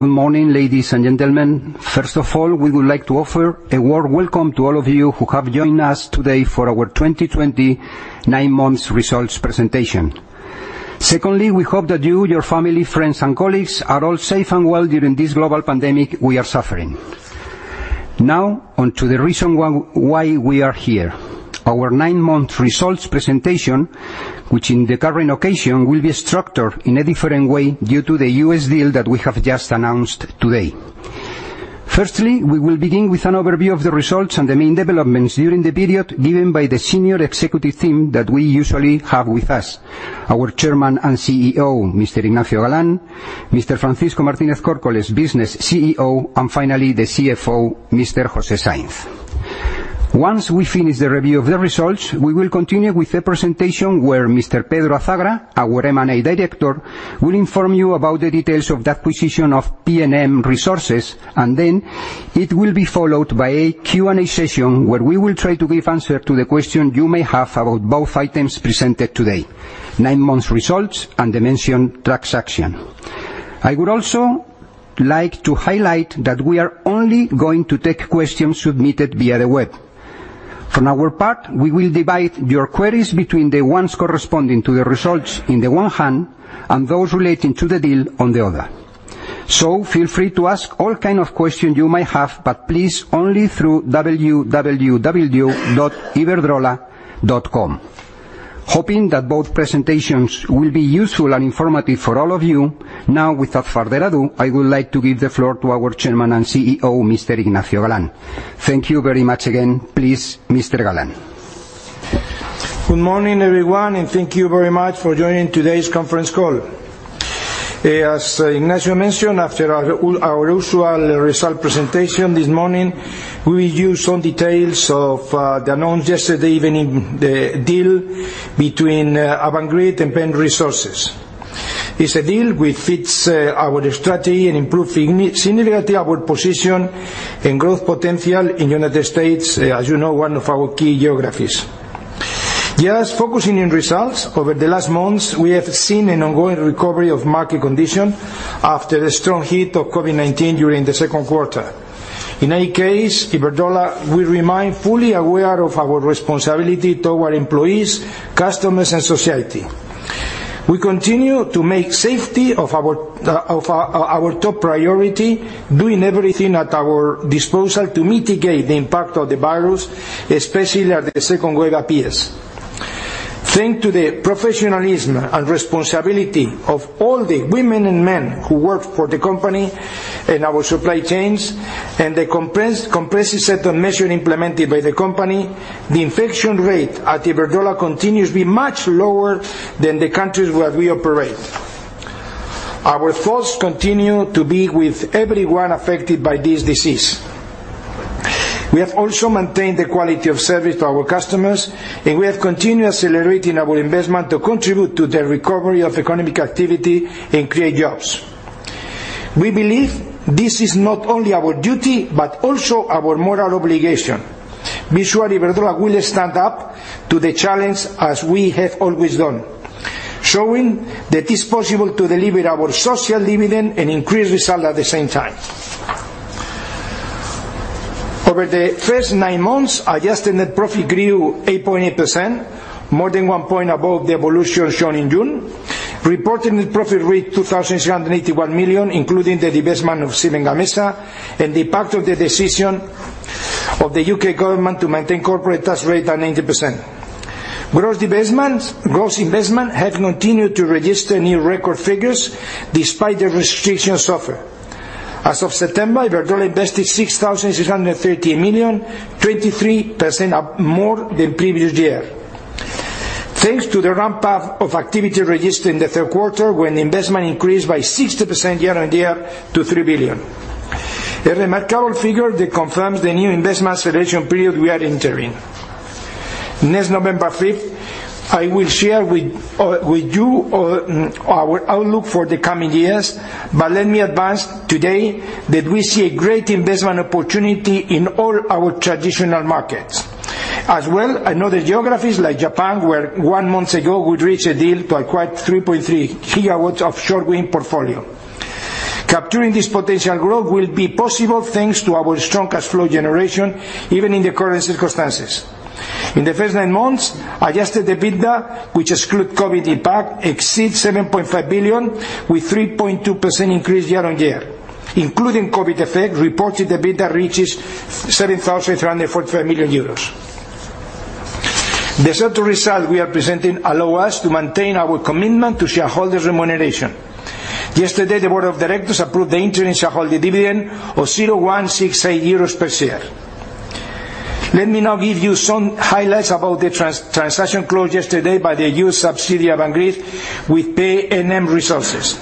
Good morning, ladies and gentlemen. First of all, we would like to offer a warm welcome to all of you who have joined us today for our 2020 Nine Months Results Presentation. Secondly, we hope that you, your family, friends, and colleagues are all safe and well during this global pandemic we are suffering. Now, on to the reason why we are here. Our nine-month results presentation, which on the current occasion will be structured in a different way due to the U.S. deal that we have just announced today. Firstly, we will begin with an overview of the results and the main developments during the period given by the senior executive team that we usually have with us, our Chairman and CEO, Mr. Ignacio Galán, Mr. Francisco Martínez Córcoles, Business CEO, and finally, the CFO, Mr. José Sáinz. Once we finish the review of the results, we will continue with the presentation where Mr. Pedro Azagra, our M&A Director, will inform you about the details of the acquisition of PNM Resources. It will be followed by a Q&A session where we will try to give answers to the questions you may have about both items presented today, nine months results and the mentioned transaction. I would also like to highlight that we are only going to take questions submitted via the web. For our part, we will divide your queries between the ones corresponding to the results on the one hand and those relating to the deal on the other. Feel free to ask all kind of questions you might have, but please only through www.iberdrola.com. Hoping that both presentations will be useful and informative for all of you. Now, without further ado, I would like to give the floor to our Chairman and CEO, Mr. Ignacio Galán. Thank you very much again. Please, Mr. Galán. Good morning, everyone, and thank you very much for joining today's conference call. As Ignacio mentioned, after our usual result presentation this morning, we give some details of the announcement yesterday evening, the deal between Avangrid and PNM Resources. It's a deal which fits our strategy and improves significantly our position and growth potential in the United States, as you know, one of our key geographies. Just focusing on results, over the last months, we have seen an ongoing recovery of market conditions after the strong hit of COVID-19 during the second quarter. In any case, Iberdrola, we remain fully aware of our responsibility toward employees, customers, and society. We continue to make safety our top priority, doing everything at our disposal to mitigate the impact of the virus, especially as the second wave appears. Thanks to the professionalism and responsibility of all the women and men who work for the company and our supply chains, and the comprehensive set of measures implemented by the company, the infection rate at Iberdrola continues to be much lower than the countries where we operate. Our thoughts continue to be with everyone affected by this disease. We have also maintained the quality of service to our customers, and we have continued accelerating our investment to contribute to the recovery of economic activity and create jobs. We believe this is not only our duty, but also our moral obligation. We at Iberdrola will stand up to the challenge as we have always done, showing that it's possible to deliver our social dividend and increase results at the same time. Over the first nine months, adjusted net profit grew 8.8%, more than one point above the evolution shown in June. Reported net profit reached 2,681 million, including the divestment of Siemens Gamesa and the impact of the decision of the U.K. Government to maintain corporate tax rate at 90%. Gross investment has continued to register new record figures despite the restrictions suffered. As of September, Iberdrola invested 6,630 million, 23% up more than previous year. Thanks to the ramp-up of activity registered in the third quarter, when investment increased by 60% year-on-year to 3 billion. A remarkable figure that confirms the new investment acceleration period we are entering. Next November 5, I will share with you our outlook for the coming years, let me advance today that we see a great investment opportunity in all our traditional markets. As well, in other geographies like Japan, where one month ago we reached a deal to acquire 3.3 GW of offshore wind portfolio. Capturing this potential growth will be possible thanks to our strong cash flow generation, even in the current circumstances. In the first nine months, adjusted EBITDA, which excludes COVID-19 impact, exceeds 7.5 billion with 3.2% increase year-over-year. Including COVID-19 effect, reported EBITDA reaches 7,345 million euros. The set of results we are presenting allow us to maintain our commitment to shareholders' remuneration. Yesterday, the board of directors approved the interim shareholder dividend of 0168 euros per share. Let me now give you some highlights about the transaction closed yesterday by the U.S. subsidiary, Avangrid, with PNM Resources.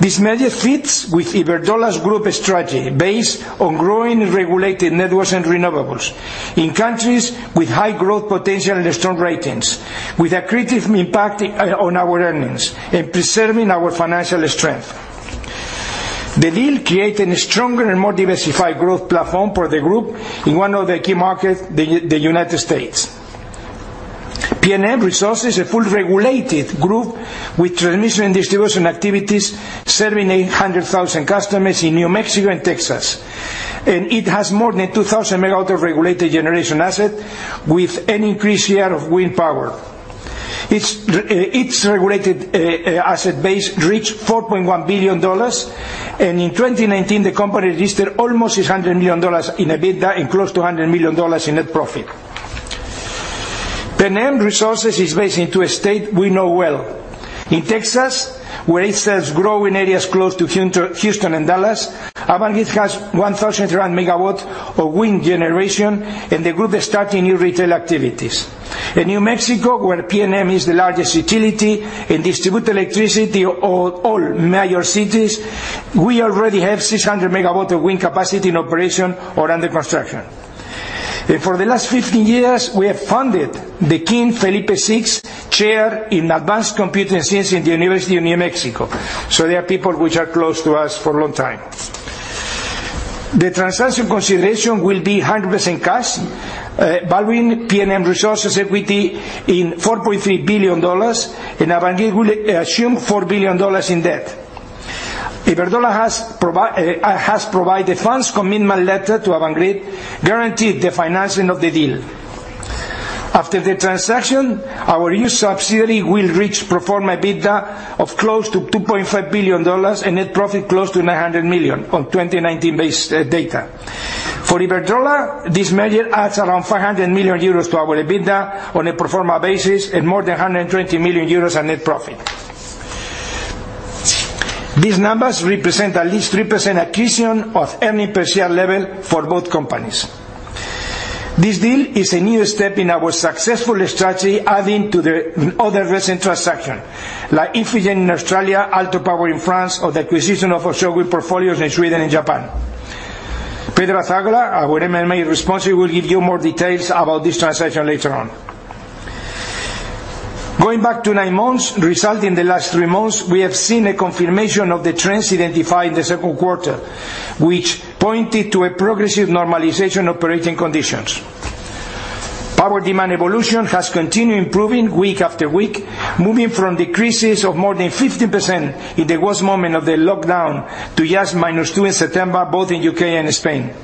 This measure fits with Iberdrola's group strategy based on growing regulated networks and renewables in countries with high growth potential and strong ratings, with accretive impact on our earnings and preserving our financial strength. The deal created a stronger and more diversified growth platform for the group in one of the key markets, the U.S. PNM Resources is a full regulated group with transmission and distribution activities serving 800,000 customers in New Mexico and Texas. It has more than 2,000 MW of regulated generation asset with an increased year of wind power. Its regulated asset base reached $4.1 billion, and in 2019, the company registered almost $600 million in EBITDA and close to $100 million in net profit. PNM Resources is based in two states we know well. In Texas, where it serves growing areas close to Houston and Dallas. Avangrid has 1,300 MW of wind generation, and the group is starting new retail activities. In New Mexico, where PNM is the largest utility and distributes electricity to all major cities, we already have 600 MW of wind capacity in operation or under construction. For the last 15 years, we have funded the King Felipe VI Chair in Advanced Computing Science in the University of New Mexico, so they are people which are close to us for a long time. The transaction consideration will be 100% cash, valuing PNM Resources' equity in $4.3 billion, and Avangrid will assume $4 billion in debt. Iberdrola has provided funds commitment letter to Avangrid, guaranteeing the financing of the deal. After the transaction, our U.S. subsidiary will reach pro forma EBITDA of close to $2.5 billion and net profit close to $900 million on 2019 base data. For Iberdrola, this merger adds around 500 million euros to our EBITDA on a pro forma basis and more than 120 million euros on net profit. These numbers represent at least 3% accretion of earnings per share level for both companies. This deal is a new step in our successful strategy, adding to the other recent transactions, like Infigen in Australia, Aalto Power in France or the acquisition of offshore wind portfolios in Sweden and Japan. Pedro Azagra, our M&A responsible, will give you more details about this transaction later on. Going back to nine months results in the last three months, we have seen a confirmation of the trends identified in the second quarter, which pointed to a progressive normalization of operating conditions. Power demand evolution has continued improving week after week, moving from decreases of more than 50% in the worst moment of the lockdown to just minus 2% in September, both in U.K. and Spain.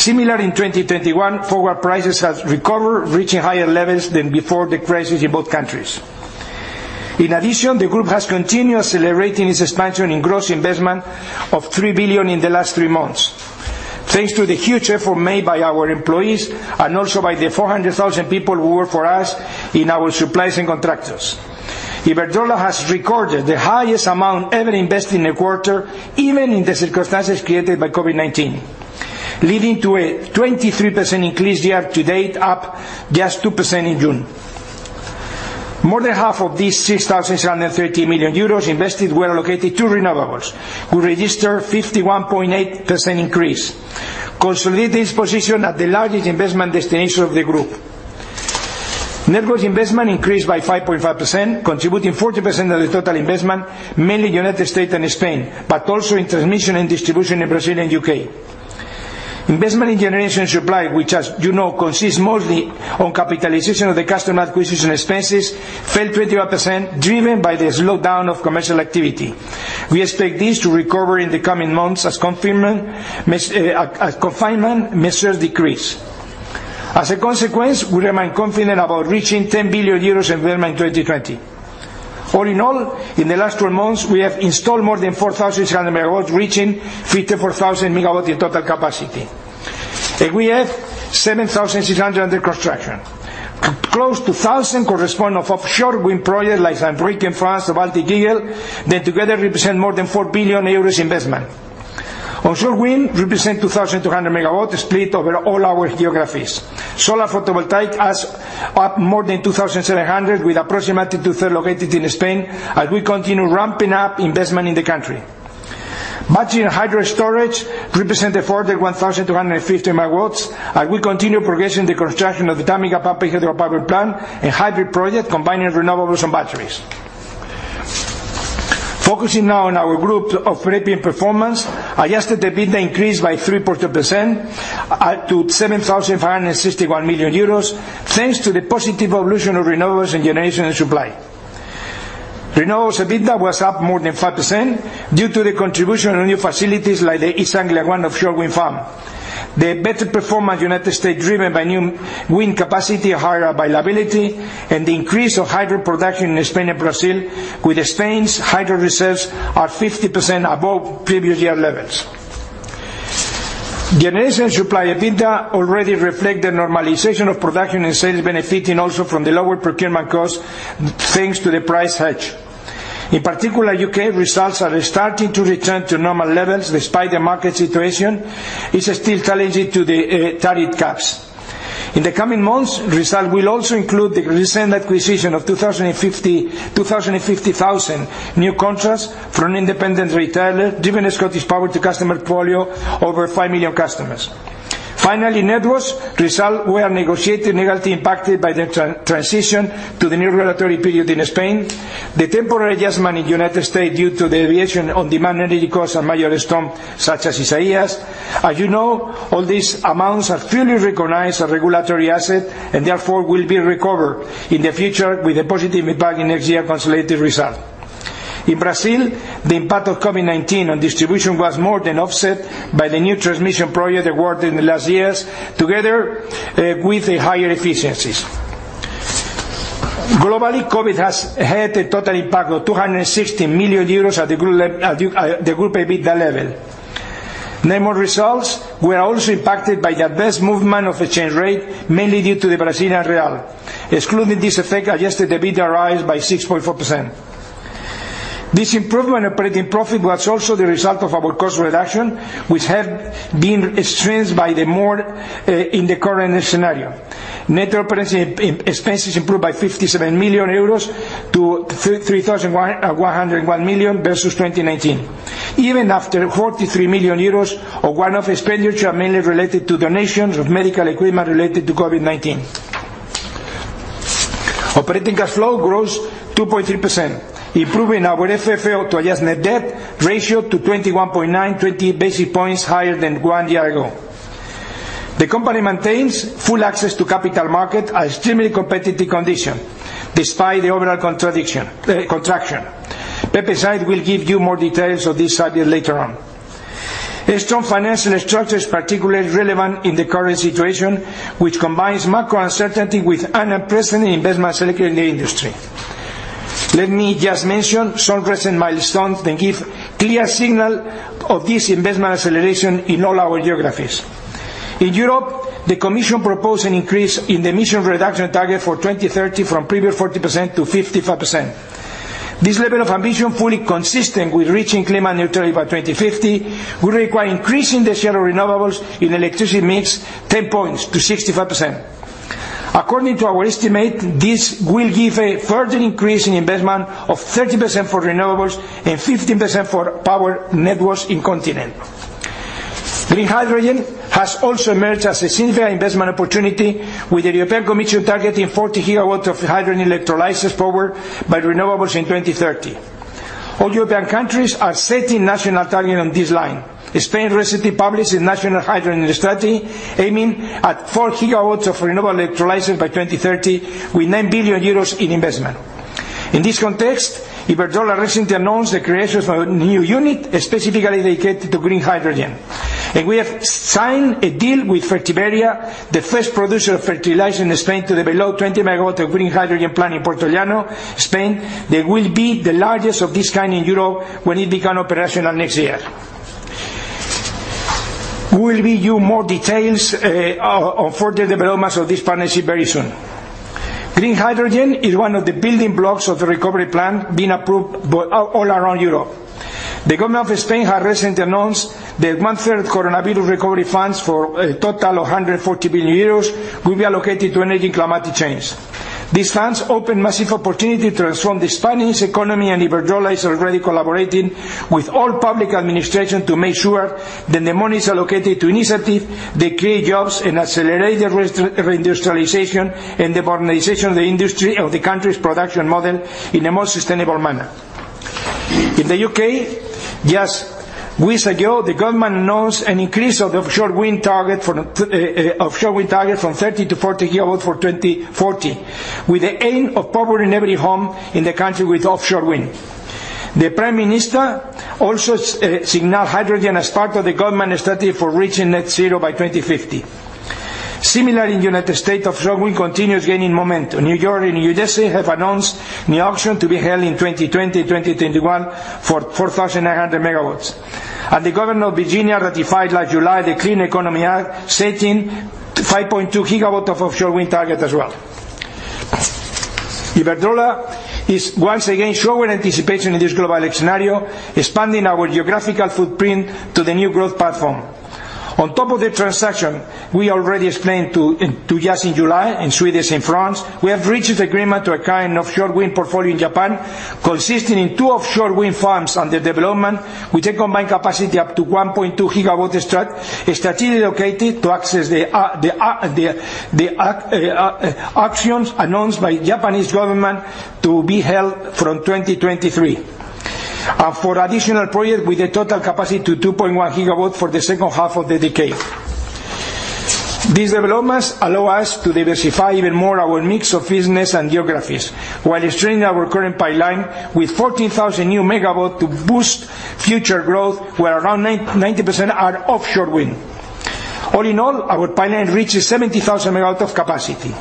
Similarly, in 2021, forward prices have recovered, reaching higher levels than before the crisis in both countries. The group has continued celebrating its expansion in gross investment of 3 billion in the last three months. Thanks to the huge effort made by our employees and also by the 400,000 people who work for us in our supplies and contractors. Iberdrola has recorded the highest amount ever invested in a quarter, even in the circumstances created by COVID-19, leading to a 23% increase year-to-date, up just 2% in June. More than half of these 6,730 million euros invested were allocated to renewables, who registered 51.8% increase, consolidating its position as the largest investment destination of the group. Networks investment increased by 5.5%, contributing 40% of the total investment, mainly U.S. and Spain, but also in transmission and distribution in Brazil and U.K. Investment in generation supply, which as you know consists mostly on capitalization of the customer acquisition expenses, fell 21%, driven by the slowdown of commercial activity. We expect this to recover in the coming months as confinement measures decrease. As a consequence, we remain confident about reaching 10 billion euros investment in 2020. All in all, in the last 12 months, we have installed more than 4,600 MW, reaching 54,000 MW in total capacity. We have 7,600 under construction. Close to 1,000 correspond of offshore wind projects like Saint-Brieuc in France or Baltic Eagle, that together represent more than 4 billion euros investment. Onshore wind represents 2,200 MW split over all our geographies. Solar photovoltaic adds up more than 2,700, with approximately two-third located in Spain, as we continue ramping up investment in the country. Battery and hydro storage represent a further 1,250 MW, as we continue progressing the construction of the Tâmega pumped hydropower plant, a hybrid project combining renewables and batteries. Focusing now on our group operating performance, adjusted EBITDA increased by 3.2% to 7,561 million euros, thanks to the positive evolution of renewables and generation and supply. Renewables EBITDA was up more than 5% due to the contribution of new facilities like the East Anglia ONE offshore wind farm. The better performance in United States driven by new wind capacity, higher availability, and the increase of hydro production in Spain and Brazil with Spain's hydro reserves are 50% above previous year levels. Generation and supply EBITDA already reflect the normalization of production and sales benefiting also from the lower procurement cost, thanks to the price hedge. In particular, U.K. results are starting to return to normal levels despite the market situation. It's still challenging to the tariff caps. In the coming months, results will also include the recent acquisition of 250,000 new contracts from an independent retailer, giving ScottishPower to customer portfolio over 5 million customers. Networks results were negatively impacted by the transition to the new regulatory period in Spain. The temporary adjustment in United States due to the deviation on demand energy costs and major storm such as Isaias. As you know, all these amounts are fully recognized as regulatory asset and therefore will be recovered in the future with a positive impact in next year consolidated results. In Brazil, the impact of COVID-19 on distribution was more than offset by the new transmission project awarded in the last years, together with higher efficiencies. Globally, COVID-19 has had a total impact of 260 million euros at the group EBITDA level. Net results were also impacted by the adverse movement of exchange rate, mainly due to the Brazilian real. Excluding this effect, adjusted EBITDA rose by 6.4%. This improvement in operating profit was also the result of our cost reduction, which have been strengthened by more in the current scenario. Net operating expenses improved by 57 million-3,101 million euros versus 2019, even after 43 million euros of one-off expenditures are mainly related to donations of medical equipment related to COVID-19. Operating cash flow grows 2.3%, improving our FFO to adjust net debt ratio to 21.9, 20 basis points higher than one year ago. The company maintains full access to capital market at extremely competitive condition, despite the overall contraction. Pepe Sáinz will give you more details of this subject later on. A strong financial structure is particularly relevant in the current situation, which combines macro uncertainty with unprecedented investment cycle in the industry. Let me just mention some recent milestones that give clear signal of this investment acceleration in all our geographies. In Europe, the Commission proposed an increase in the emission reduction target for 2030 from previous 40%-55%. This level of ambition, fully consistent with reaching climate neutrality by 2050, will require increasing the share of renewables in electricity mix 10 points to 65%. According to our estimate, this will give a further increase in investment of 30% for renewables and 15% for power networks in continent. Green hydrogen has also emerged as a significant investment opportunity with the European Commission targeting 40 GW of hydrogen electrolysis power by renewables in 2030. All European countries are setting national target on this line. Spain recently published a national hydrogen strategy aiming at 4 GW of renewable electrolysis by 2030 with 9 billion euros in investment. In this context, Iberdrola recently announced the creation of a new unit specifically dedicated to green hydrogen. We have signed a deal with Fertiberia, the first producer of fertilizer in Spain, to develop 20 MW of green hydrogen plant in Puertollano, Spain, that will be the largest of this kind in Europe when it become operational next year. We will give you more details on further developments of this partnership very soon. Green hydrogen is one of the building blocks of the recovery plan being approved all around Europe. The government of Spain has recently announced that one-third COVID-19 recovery funds for a total of 140 billion euros will be allocated to energy and climate change. These funds open massive opportunity to transform the Spanish economy. Iberdrola is already collaborating with all public administration to make sure that the money is allocated to initiative that create jobs and accelerate the reindustrialization and the modernization of the industry of the country's production model in a more sustainable manner. In the U.K., just weeks ago, the government announced an increase of offshore wind target from 30 GW-40 GW for 2040, with the aim of powering every home in the country with offshore wind. The Prime Minister also signaled hydrogen as part of the government strategy for reaching net zero by 2050. Similarly, in U.S., offshore wind continues gaining momentum. New York and New Jersey have announced new auction to be held in 2020, 2021 for 4,900 MW. The government of Virginia ratified last July the Clean Economy Act, setting 5.2 GW of offshore wind target as well. Iberdrola is once again showing anticipation in this global scenario, expanding our geographical footprint to the new growth platform. On top of the transaction we already explained to you just in July, in Sweden and France. We have reached agreement to acquire an offshore wind portfolio in Japan, consisting in two offshore wind farms under development with a combined capacity up to 1.2 GW, strategically located to access the auctions announced by Japanese government to be held from 2023. For additional project with a total capacity to 2.1 GW for the second half of the decade. These developments allow us to diversify even more our mix of business and geographies while strengthening our current pipeline with 14,000 new megawatt to boost future growth, where around 90% are offshore wind. All in all, our pipeline reaches 70,000 MW of capacity.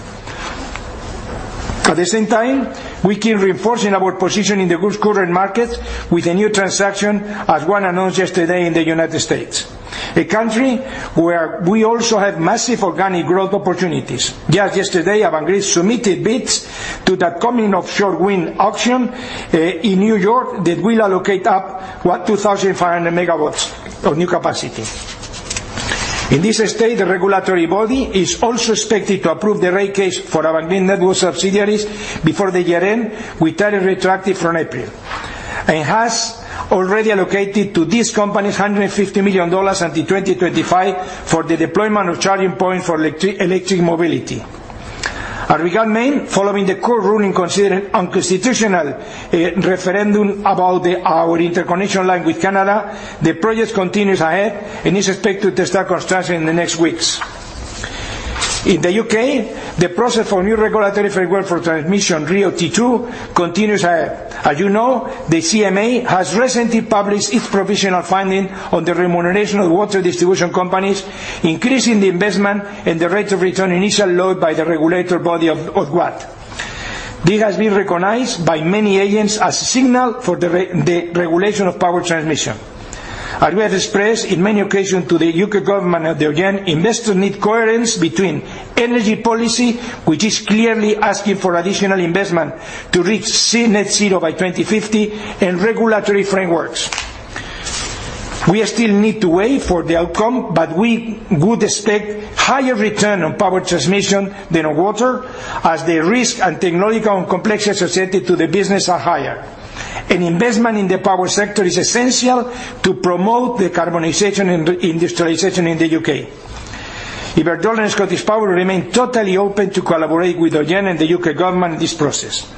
At the same time, we keep reinforcing our position in the group's current markets with a new transaction, as one announced yesterday in the United States, a country where we also have massive organic growth opportunities. Just yesterday, Avangrid submitted bids to the upcoming offshore wind auction in New York that will allocate up 2,500 MW of new capacity. In this state, the regulatory body is also expected to approve the rate case for Avangrid network subsidiaries before the year-end, with tariff retroactive from April. It has already allocated to this company EUR 150 million until 2025 for the deployment of charging points for electric mobility. At Maine, following the court ruling considered unconstitutional referendum about our interconnection line with Canada, the project continues ahead and is expected to start construction in the next weeks. In the U.K., the process for new regulatory framework for transmission RIIO-T2 continues. As you know, the CMA has recently published its provisional finding on the remuneration of water distribution companies, increasing the investment and the rate of return initially lowered by the regulator body of Ofwat. This has been recognized by many agents as a signal for the regulation of power transmission. As we have expressed in many occasions to the U.K. government and the Ofgem, investors need coherence between energy policy, which is clearly asking for additional investment to reach net zero by 2050, and regulatory frameworks. We still need to wait for the outcome, we would expect higher return on power transmission than on water, as the risk and technological complexity associated to the business are higher. An investment in the power sector is essential to promote the carbonization and industrialization in the U.K. Iberdrola and ScottishPower remain totally open to collaborate with Ofgem and the U.K. government in this process.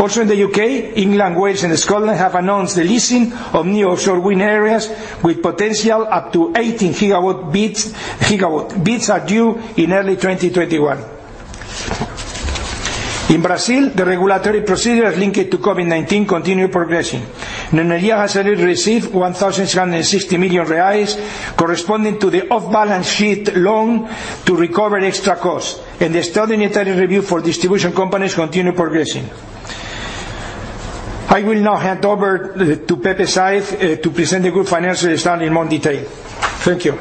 In the U.K., England, Wales, and Scotland have announced the leasing of new offshore wind areas with potential up to 18 GW. Bids are due in early 2021. In Brazil, the regulatory procedures linked to COVID-19 continue progressing. Neoenergia has already received BRL 1,660 million corresponding to the off-balance sheet loan to recover extra costs, and the study and tariff review for distribution companies continue progressing. I will now hand over to Pepe Sáinz to present the group financial standing in more detail. Thank you.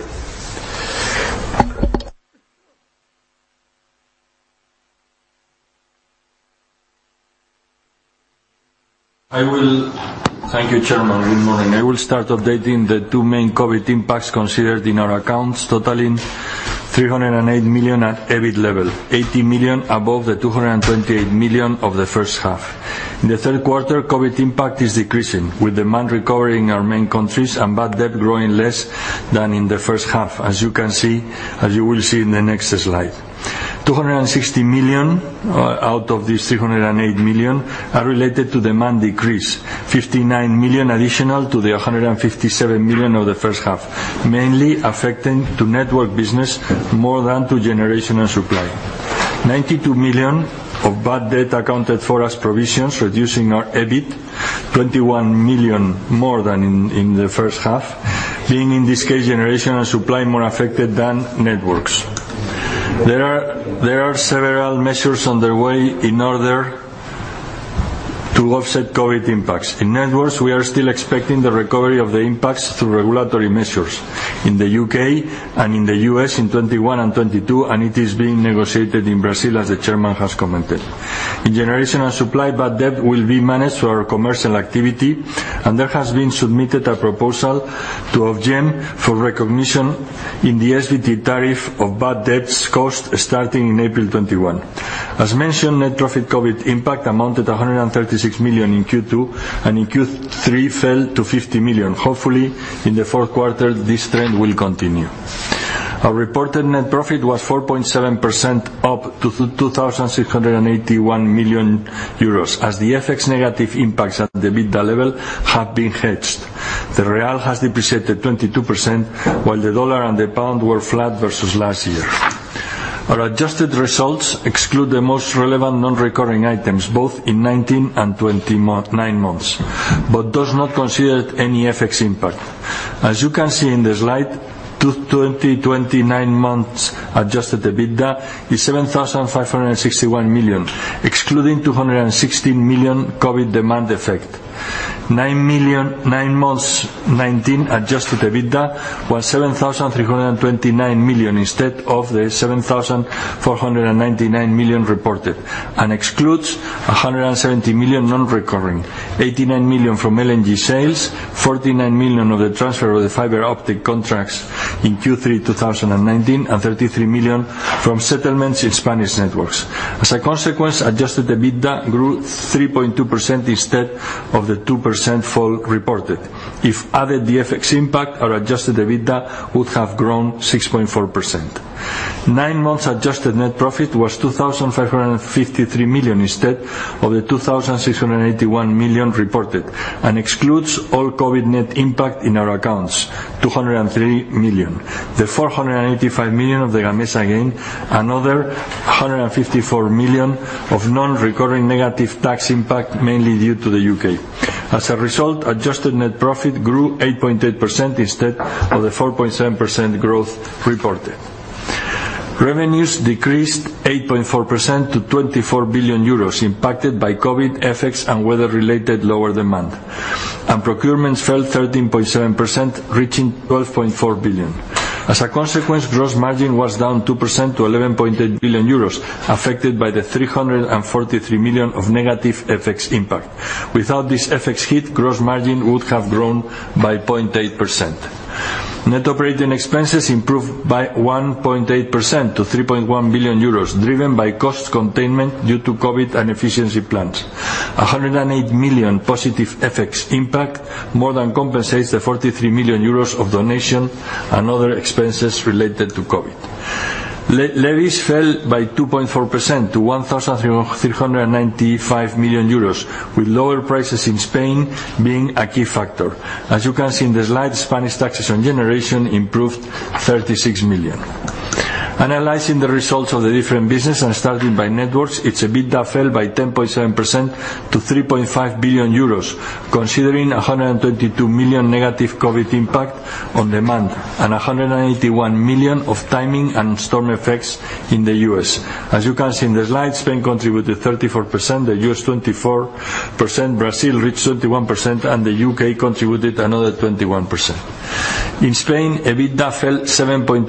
Thank you, Chairman. Good morning. I will start updating the two main COVID impacts considered in our accounts, totaling 308 million at EBIT level, 80 million above the 228 million of the first half. In the third quarter, COVID impact is decreasing, with demand recovering in our main countries and bad debt growing less than in the first half, as you will see in the next slide. 260 million out of these 308 million are related to demand decrease, 59 million additional to the 157 million of the first half, mainly affecting to network business more than to generation and supply. 92 million of bad debt accounted for as provisions, reducing our EBIT 21 million more than in the first half, being in this case, generation and supply more affected than networks. There are several measures underway in order to offset COVID impacts. In networks, we are still expecting the recovery of the impacts through regulatory measures. In the U.K. and in the U.S. in 2021 and 2022, and it is being negotiated in Brazil, as the Chairman has commented. In generation and supply, bad debt will be managed through our commercial activity, and there has been submitted a proposal to Ofgem for recognition in the SVT tariff of bad debts cost starting in April 2021. As mentioned, net profit COVID-19 impact amounted to 136 million in Q2, and in Q3 fell to 50 million. Hopefully, in the fourth quarter, this trend will continue. Our reported net profit was 4.7% up to 2,681 million euros. As the FX negative impacts at the EBITDA level have been hedged. The real has depreciated 22%, while the dollar and the pound were flat versus last year. Our adjusted results exclude the most relevant non-recurring items, both in 2019 and 2020 nine months, but does not consider any FX impact. As you can see in the slide, to 2020 nine months adjusted EBITDA is 7,561 million, excluding 260 million COVID demand effect. Nine months 2019 adjusted EBITDA was 7,329 million instead of the 7,499 million reported and excludes 170 million non-recurring, 89 million from LNG sales, 49 million of the transfer of the fiber optic contracts in Q3 2019, and 33 million from settlements in Spanish networks. As a consequence, adjusted EBITDA grew 3.2% instead of the 2% fall reported. If added the FX impact, our adjusted EBITDA would have grown 6.4%. Nine months adjusted net profit was 2,553 million instead of the 2,681 million reported and excludes all COVID net impact in our accounts, 203 million. The 485 million of the Gamesa gain, another 154 million of non-recurring negative tax impact, mainly due to the U.K. As a result, adjusted net profit grew 8.8% instead of the 4.7% growth reported. Revenues decreased 8.4% to 24 billion euros, impacted by COVID, FX, and weather-related lower demand, and procurements fell 13.7%, reaching 12.4 billion. As a consequence, gross margin was down 2% to 11.8 billion euros, affected by the 343 million of negative FX impact. Without this FX hit, gross margin would have grown by 0.8%. Net operating expenses improved by 1.8% to 3.1 billion euros, driven by cost containment due to COVID and efficiency plans. 108 million positive FX impact more than compensates the 43 million euros of donation and other expenses related to COVID. Levies fell by 2.4% to 1,395 million euros, with lower prices in Spain being a key factor. As you can see in the slide, Spanish taxes on generation improved 36 million. Analyzing the results of the different business and starting by networks, its EBITDA fell by 10.7% to 3.5 billion euros, considering 122 million negative COVID impact on demand and 181 million of timing and storm effects in the U.S. As you can see in the slide, Spain contributed 34%, the U.S. 24%, Brazil reached 31%, and the U.K. contributed another 21%. In Spain, EBITDA fell 7.2%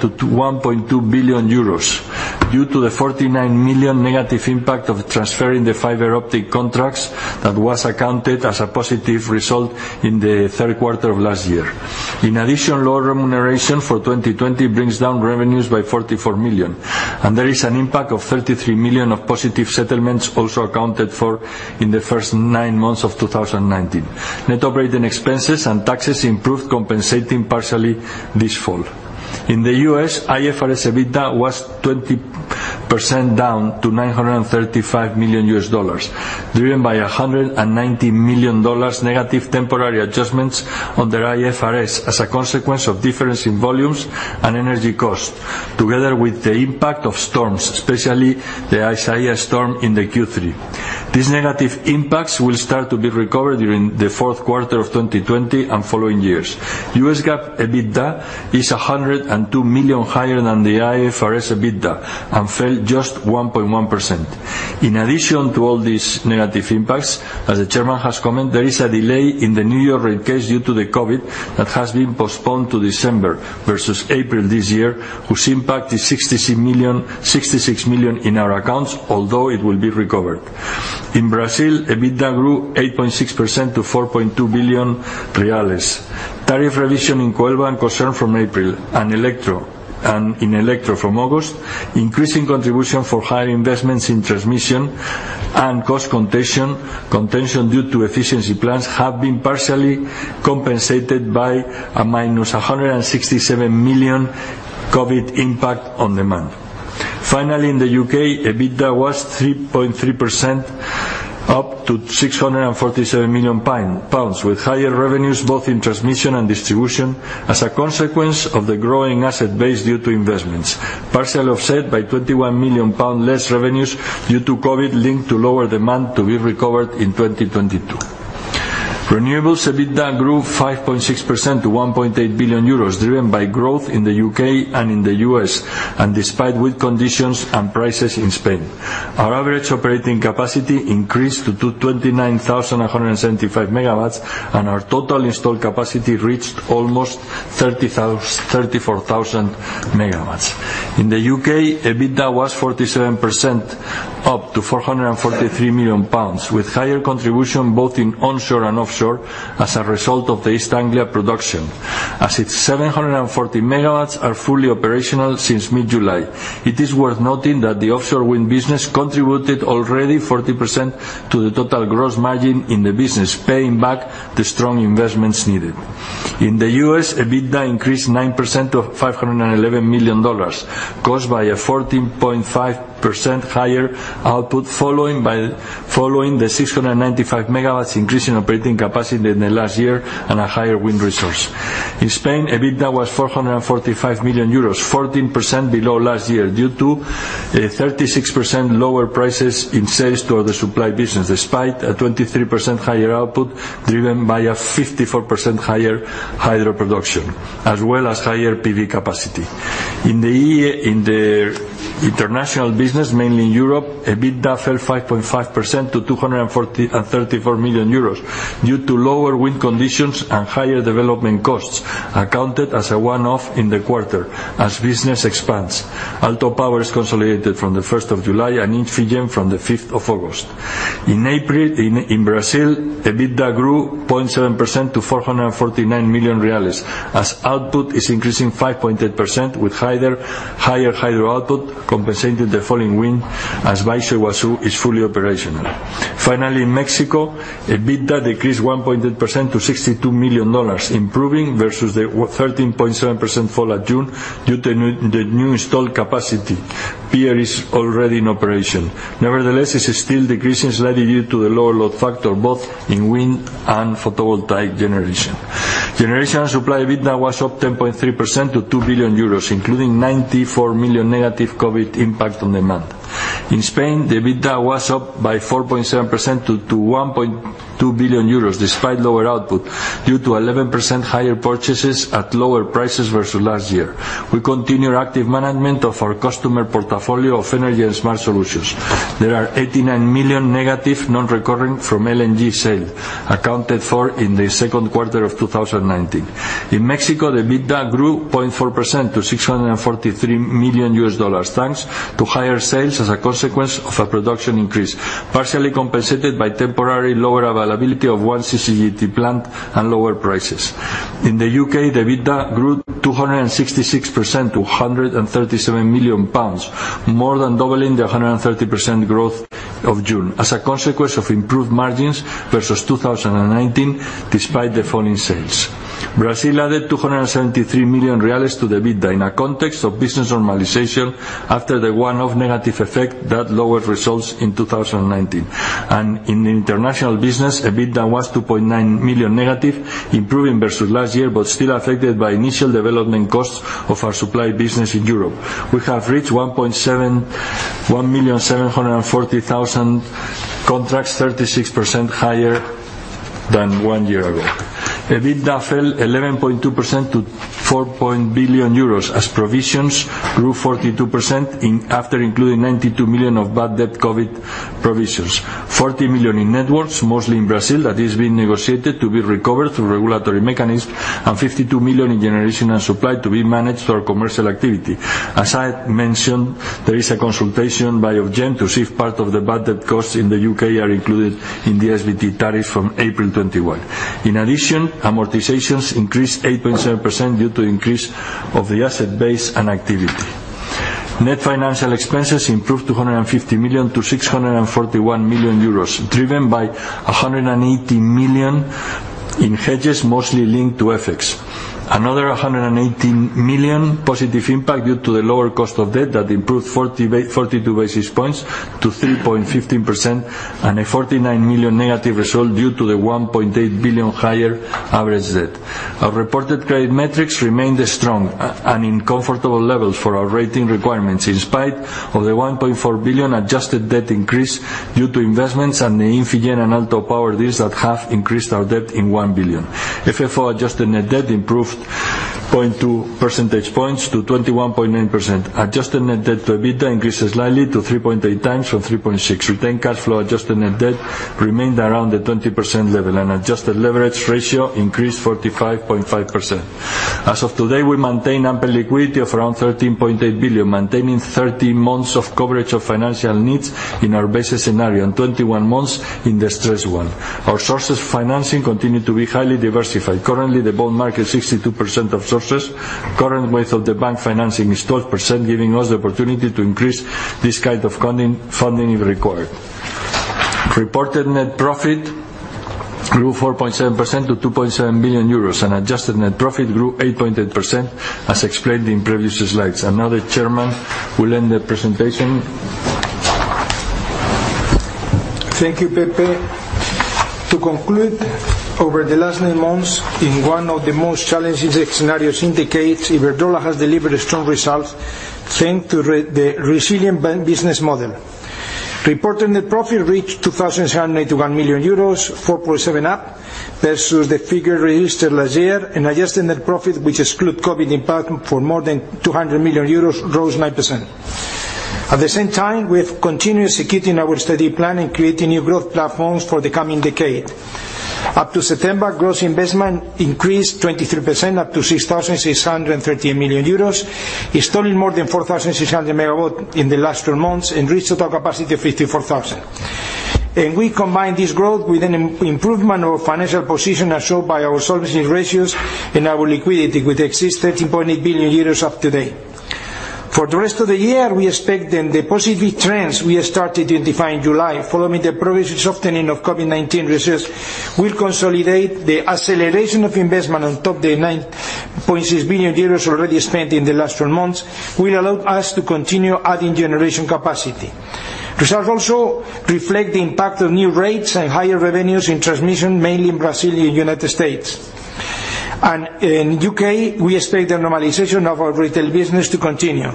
to 1.2 billion euros due to the 49 million negative impact of transferring the fiber optic contracts that was accounted as a positive result in the third quarter of last year. In addition, lower remuneration for 2020 brings down revenues by 34 million, and there is an impact of 33 million of positive settlements also accounted for in the first nine months of 2019. Net operating expenses and taxes improved, compensating partially this fall. In the U.S., IFRS EBITDA was 20% down to $935 million, driven by $190 million negative temporary adjustments on their IFRS as a consequence of difference in volumes and energy cost, together with the impact of storms, especially the Isaias storm in the Q3. These negative impacts will start to be recovered during the fourth quarter of 2020 and following years. US GAAP EBITDA is $102 million higher than the IFRS EBITDA and fell just 1.1%. In addition to all these negative impacts, as the chairman has commented, there is a delay in the New York rate case due to the COVID that has been postponed to December versus April this year, whose impact is $66 million in our accounts, although it will be recovered. In Brazil, EBITDA grew 8.6% to 4.2 billion reais. Tariff revision in Coelba and Cosern from April, and in Elektro from August, increasing contribution for higher investments in transmission and cost contention due to efficiency plans have been partially compensated by a -167 million COVID impact on demand. In the U.K., EBITDA was 3.3% up to 647 million pounds, with higher revenues both in transmission and distribution as a consequence of the growing asset base due to investments, partially offset by 21 million pound less revenues due to COVID linked to lower demand to be recovered in 2022. Renewables EBITDA grew 5.6% to 1.8 billion euros, driven by growth in the U.K. and in the U.S., and despite wind conditions and prices in Spain. Our average operating capacity increased to 29,175 MW, and our total installed capacity reached almost 34,000 MW. In the U.K., EBITDA was 47% up to 443 million pounds, with higher contribution both in onshore and offshore as a result of the East Anglia ONE production, as its 740 MW are fully operational since mid-July. It is worth noting that the offshore wind business contributed already 40% to the total gross margin in the business, paying back the strong investments needed. In the U.S., EBITDA increased 9% to $511 million, caused by a 14.5% higher output, following the 695 MW increase in operating capacity in the last year and a higher wind resource. In Spain, EBITDA was 445 million euros, 14% below last year due to 36% lower prices in sales to other supply business, despite a 23% higher output driven by a 54% higher hydro production, as well as higher PV capacity. In the international business, mainly in Europe, EBITDA fell 5.5% to 234 million euros due to lower wind conditions and higher development costs accounted as a one-off in the quarter as business expands. Aalto Power is consolidated from the 1 of July and Infigen from the 5 of August. In April, in Brazil, EBITDA grew 0.7% to 449 million as output is increasing 5.8% with higher hydro output, compensating the falling wind as Baixo is fully operational. Finally, in Mexico, EBITDA decreased 1.8% to 62 million dollars, improving versus the 13.7% fall at June due to the new installed capacity. Pier is already in operation. Nevertheless, it's still decreasing slightly due to the lower load factor, both in wind and photovoltaic generation. Generation and supply EBITDA was up 10.3% to 2 billion euros, including 94 million negative COVID impact on demand. In Spain, the EBITDA was up by 4.7% to 1.2 billion euros, despite lower output due to 11% higher purchases at lower prices versus last year. We continue our active management of our customer portfolio of energy and smart solutions. There are 89 million negative non-recurring from LNG sale accounted for in the second quarter of 2019. In Mexico, the EBITDA grew 0.4% to EUR 643 million, thanks to higher sales as a consequence of a production increase, partially compensated by temporary lower availability of one CCGT plant and lower prices. In the U.K., the EBITDA grew 266% to 137 million pounds, more than doubling the 130% growth of June as a consequence of improved margins versus 2019 despite the fall in sales. Brazil added 273 million to the EBITDA in a context of business normalization after the one-off negative effect that lowered results in 2019. In the international business, EBITDA was 2.9 million negative, improving versus last year, but still affected by initial development costs of our supply business in Europe. We have reached 1,740,000 contracts, 36% higher than one year ago. EBITDA fell 11.2% to 4 billion euros as provisions grew 42% after including 92 million of bad debt COVID provisions. 40 million in networks, mostly in Brazil, that is being negotiated to be recovered through regulatory mechanisms, and 52 million in generation and supply to be managed through our commercial activity. As I mentioned, there is a consultation by Ofgem to see if part of the bad debt costs in the U.K. are included in the SVT tariff from April 2021. In addition, amortizations increased 8.7% due to increase of the asset base and activity. Net financial expenses improved to 150 million-641 million euros, driven by 180 million in hedges, mostly linked to FX. Another 118 million positive impact due to the lower cost of debt that improved 42 basis points to 3.15%, and a 49 million negative result due to the 1.8 billion higher average debt. Our reported credit metrics remained strong and in comfortable levels for our rating requirements in spite of the 1.4 billion adjusted debt increase due to investments and the Infigen and Aalto Power deals that have increased our debt in 1 billion. FFO adjusted net debt improved 0.2 percentage points to 21.9%. Adjusted net debt to EBITDA increased slightly to 3.8x from 3.6x. Retained cash flow adjusted net debt remained around the 20% level. Adjusted leverage ratio increased 45.5%. As of today, we maintain ample liquidity of around 13.8 billion, maintaining 30 months of coverage of financial needs in our basis scenario and 21 months in the stress one. Our sources of financing continue to be highly diversified. Currently, the bond market is 62% of sources. Current weight of the bank financing is 12%, giving us the opportunity to increase this kind of funding if required. Reported net profit grew 4.7% to 2.7 billion euros and adjusted net profit grew 8.8% as explained in previous slides. Now the chairman will end the presentation. Thank you, Pepe. To conclude, over the last nine months, in one of the most challenging scenarios in decades, Iberdrola has delivered strong results thanks to the resilient business model. Reported net profit reached 2,781 million euros, 4.7 up versus the figure registered last year. Adjusted net profit, which excludes COVID-19 impact for more than 200 million euros, rose 9%. At the same time, we have continued executing our steady plan and creating new growth platforms for the coming decade. Up to September, gross investment increased 23%, up to 6,638 million euros, installing more than 4,600 MW in the last 12 months and reached total capacity of 54,000. We combined this growth with an improvement of financial position as shown by our solvency ratios and our liquidity, with excess 13.8 billion euros as of today. For the rest of the year, we expect then the positive trends we have started in defined July following the progressive softening of COVID-19 reserves will consolidate the acceleration of investment on top of the 9.6 billion euros already spent in the last 12 months will allow us to continue adding generation capacity. Results also reflect the impact of new rates and higher revenues in transmission, mainly in Brazil and U.S. In U.K., we expect the normalization of our retail business to continue.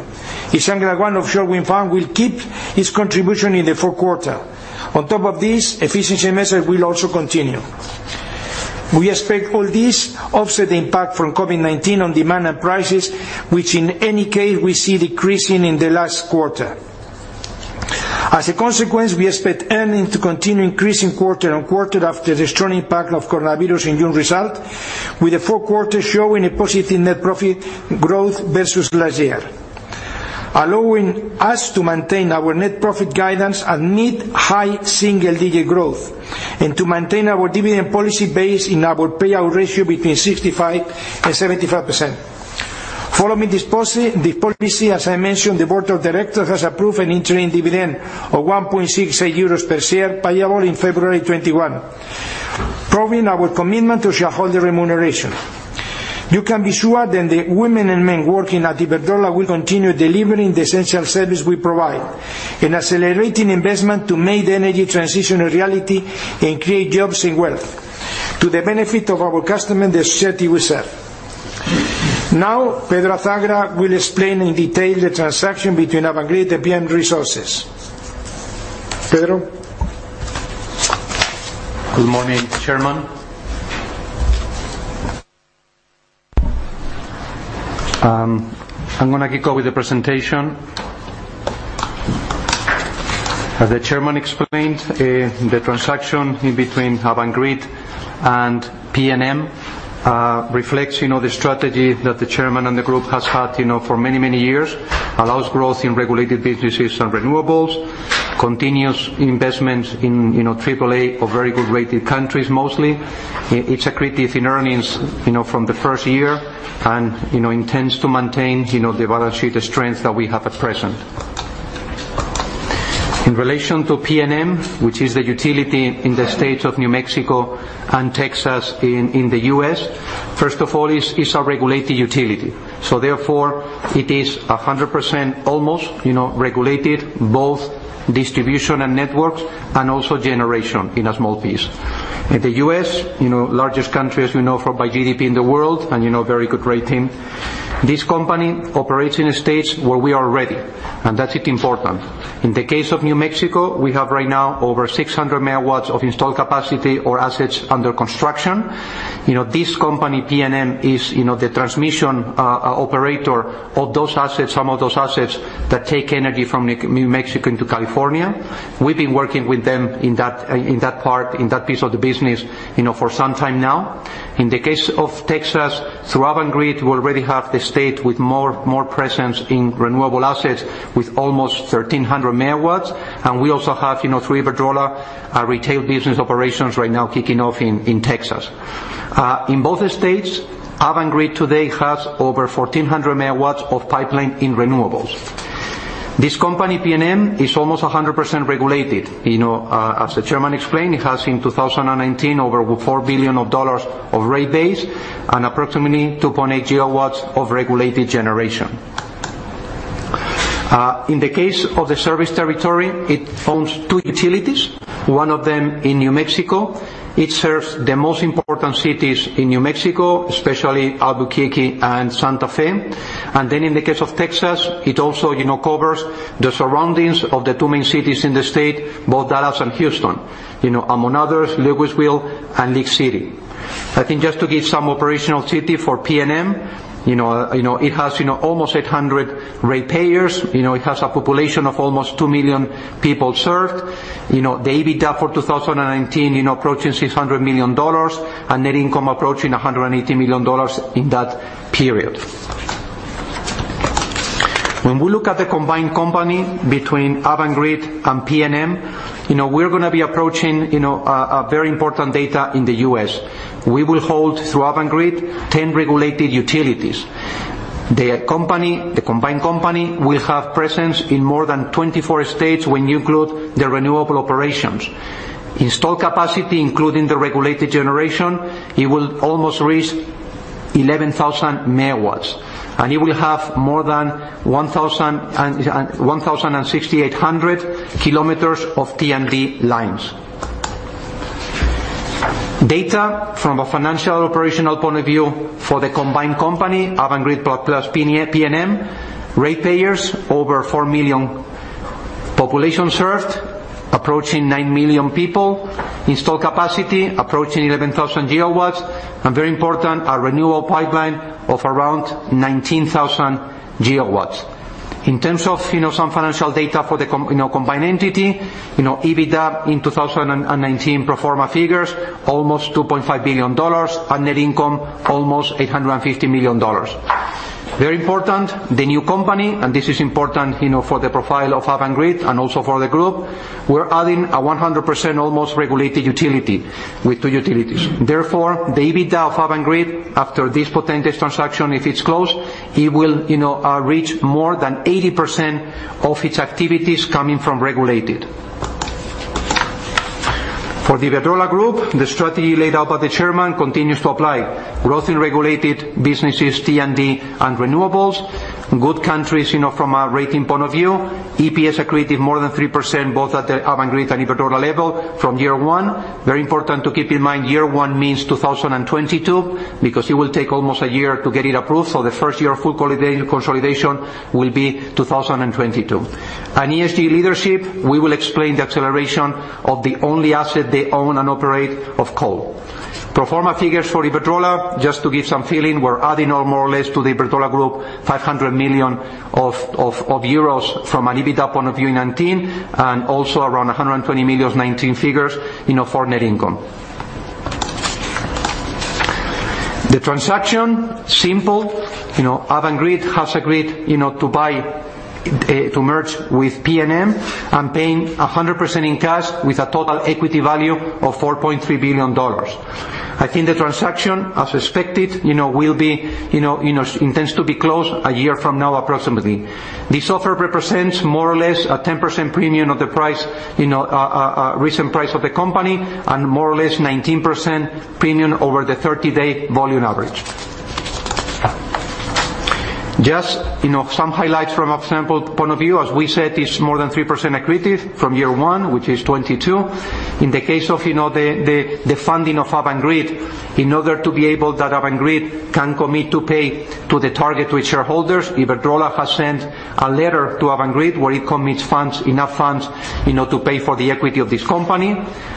Islay offshore wind farm will keep its contribution in the fourth quarter. On top of this, efficiency measures will also continue. We expect all this offset the impact from COVID-19 on demand and prices, which in any case, we see decreasing in the last quarter. As a consequence, we expect earnings to continue increasing quarter on quarter after the strong impact of coronavirus in June results, with the fourth quarter showing a positive net profit growth versus last year, allowing us to maintain our net profit guidance and meet high single-digit growth and to maintain our dividend policy based in our payout ratio between 65% and 75%. Following this policy, as I mentioned, the board of directors has approved an interim dividend of 1.68 euros per share, payable in February 2021, proving our commitment to shareholder remuneration. You can be sure that the women and men working at Iberdrola will continue delivering the essential service we provide and accelerating investment to make the energy transition a reality and create jobs and wealth to the benefit of our customers and the society we serve. Pedro Azagra will explain in detail the transaction between Avangrid and PNM Resources. Pedro? Good morning, Chairman. I'm going to kick off with the presentation. As the Chairman explained, the transaction in between Avangrid and PNM reflects the strategy that the Chairman and the group has had for many, many years, allows growth in regulated businesses and renewables, continuous investments in AAA or very good rated countries mostly. It's accretive in earnings from the first year and intends to maintain the balance sheet strength that we have at present. In relation to PNM, which is the utility in the state of New Mexico and Texas in the U.S., first of all, it's a regulated utility. Therefore, it is 100% almost regulated, both distribution and networks, and also generation in a small piece. In the U.S., largest country, as we know, by GDP in the world, very good rating This company operates in a stage where we are ready, and that's important. In the case of New Mexico, we have right now over 600 MW of installed capacity or assets under construction. This company, PNM, is the transmission operator of those assets, some of those assets that take energy from New Mexico into California. We've been working with them in that part, in that piece of the business, for some time now. In the case of Texas, through Avangrid, we already have the state with more presence in renewable assets with almost 1,300 MW, and we also have three Iberdrola retail business operations right now kicking off in Texas. In both states, Avangrid today has over 1,400 MW of pipeline in renewables. This company, PNM, is almost 100% regulated. As the chairman explained, it has in 2019 over $4 billion of rate base and approximately 2.8 GW of regulated generation. In the case of the service territory, it owns two utilities, one of them in New Mexico. It serves the most important cities in New Mexico, especially Albuquerque and Santa Fe. In the case of Texas, it also covers the surroundings of the two main cities in the state, both Dallas and Houston. Among others, Lewisville and League City. I think just to give some operational city for PNM, it has almost 800 ratepayers. It has a population of almost 2 million people served. The EBITDA for 2019 approaching $600 million and net income approaching $180 million in that period. When we look at the combined company between Avangrid and PNM, we're going to be approaching very important data in the U.S. We will hold, through Avangrid, 10 regulated utilities. The combined company will have presence in more than 24 states when you include the renewable operations. Installed capacity, including the regulated generation, it will almost reach 11,000 MW, and it will have more than 16,800 km of T&D lines. Data from a financial operational point of view for the combined company, Avangrid plus PNM, ratepayers, over four million. Population served, approaching nine million people. Installed capacity, approaching 11,000 GW. Very important, a renewal pipeline of around 19,000 GW. In terms of some financial data for the combined entity, EBITDA in 2019 pro forma figures, almost $2.5 billion, and net income almost $850 million. Very important, the new company, and this is important for the profile of Avangrid and also for the group, we're adding a 100% almost regulated utility with two utilities. The EBITDA of Avangrid after this potential transaction, if it's closed, it will reach more than 80% of its activities coming from regulated. For the Iberdrola group, the strategy laid out by the chairman continues to apply. Growth in regulated businesses, T&D and renewables. Good countries from a rating point of view. EPS accretive more than 3%, both at the Avangrid and Iberdrola level from year one. Very important to keep in mind, year one means 2022 because it will take almost a year to get it approved. The first year of full consolidation will be 2022. ESG leadership, we will explain the acceleration of the only asset they own and operate of coal. Pro forma figures for Iberdrola, just to give some feeling, we are adding more or less to the Iberdrola group 500 million euros from an EBITDA point of view in 2019, and also around 120 million 2019 figures for net income. The transaction, simple. Avangrid has agreed to merge with PNM and paying 100% in cash with a total equity value of $4.3 billion. I think the transaction, as expected, intends to be closed a year from now approximately. This offer represents more or less a 10% premium of the recent price of the company and more or less 19% premium over the 30-day volume average. Just some highlights from a sample point of view. As we said, it is more than 3% accretive from year one, which is 2022. In the case of the funding of Avangrid, in order to be able that Avangrid can commit to pay to the target with shareholders, Iberdrola has sent a letter to Avangrid where it commits enough funds to pay for the equity of this company.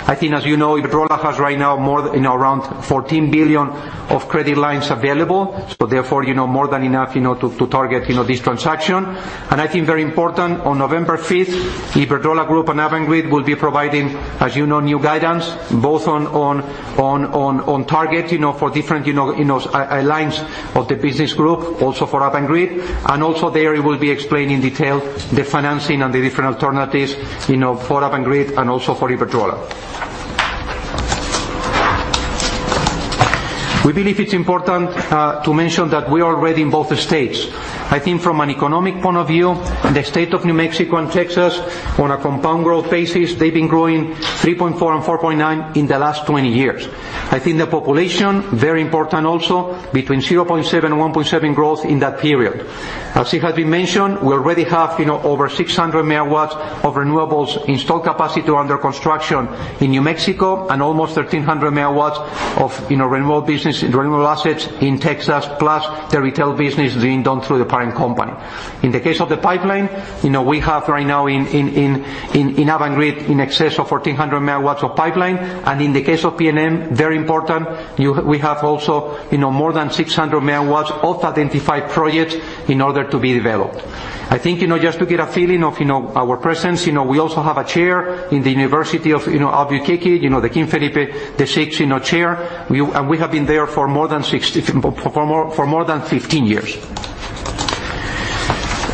I think as you know, Iberdrola has right now around 14 billion of credit lines available. Therefore, more than enough to target this transaction. I think very important, on November 5th, Iberdrola group and Avangrid will be providing, as you know, new guidance both on target for different lines of the business group, also for Avangrid. Also there it will be explained in detail the financing and the different alternatives for Avangrid and also for Iberdrola. We believe it's important to mention that we are ready in both states. I think from an economic point of view, the state of New Mexico and Texas, on a compound growth basis, they've been growing 3.4% and 4.9% in the last 20 years. I think the population, very important also, between 0.7% and 1.7% growth in that period. As it has been mentioned, we already have over 600 MW of renewables installed capacity under construction in New Mexico, and almost 1,300 MW of renewable business in renewable assets in Texas, plus the retail business being done through the parent company. In the case of the pipeline, we have right now in Avangrid, in excess of 1,400 MW of pipeline. In the case of PNM, very important, we have also more than 600 MW of identified projects in order to be developed. I think, just to get a feeling of our presence, we also have a chair in the University of New Mexico, the King Felipe VI chair, and we have been there for more than 15 years.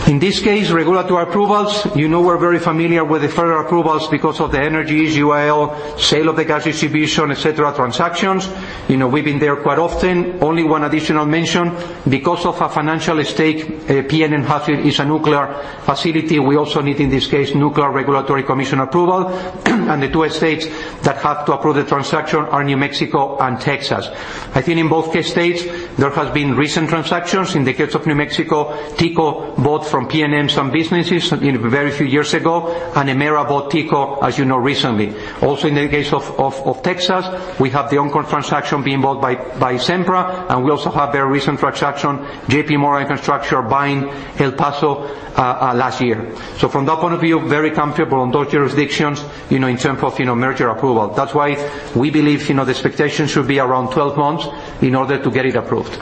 In this case, regulatory approvals, you know we're very familiar with the federal approvals because of the Energy East, UIL, sale of the gas distribution, et cetera, transactions. We've been there quite often. Only one additional mention. Because of a financial stake PNM has is a nuclear facility, we also need, in this case, Nuclear Regulatory Commission approval, and the two states that have to approve the transaction are New Mexico and Texas. I think in both states, there have been recent transactions. In the case of New Mexico, TECO bought from PNM some businesses a very few years ago, and Emera bought TECO, as you know, recently. In the case of Texas, we have the Oncor transaction being bought by Sempra, and we also have a very recent transaction, JPMorgan Infrastructure buying El Paso last year. From that point of view, very comfortable on those jurisdictions, in terms of merger approval. That's why we believe the expectation should be around 12 months in order to get it approved.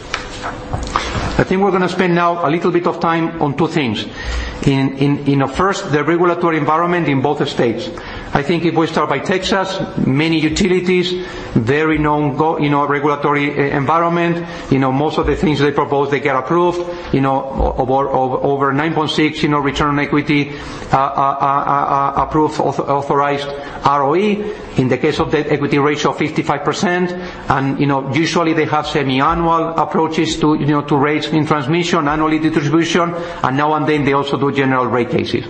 I think we're going to spend now a little bit of time on two things. First, the regulatory environment in both states. I think if we start by Texas, many utilities, very known regulatory environment. Most of the things they propose, they get approved. Over 9.6 return on equity, approved, authorized ROE. In the case of debt, equity ratio of 55%. Usually they have semi-annual approaches to rates in transmission, annually distribution, and now and then they also do general rate cases.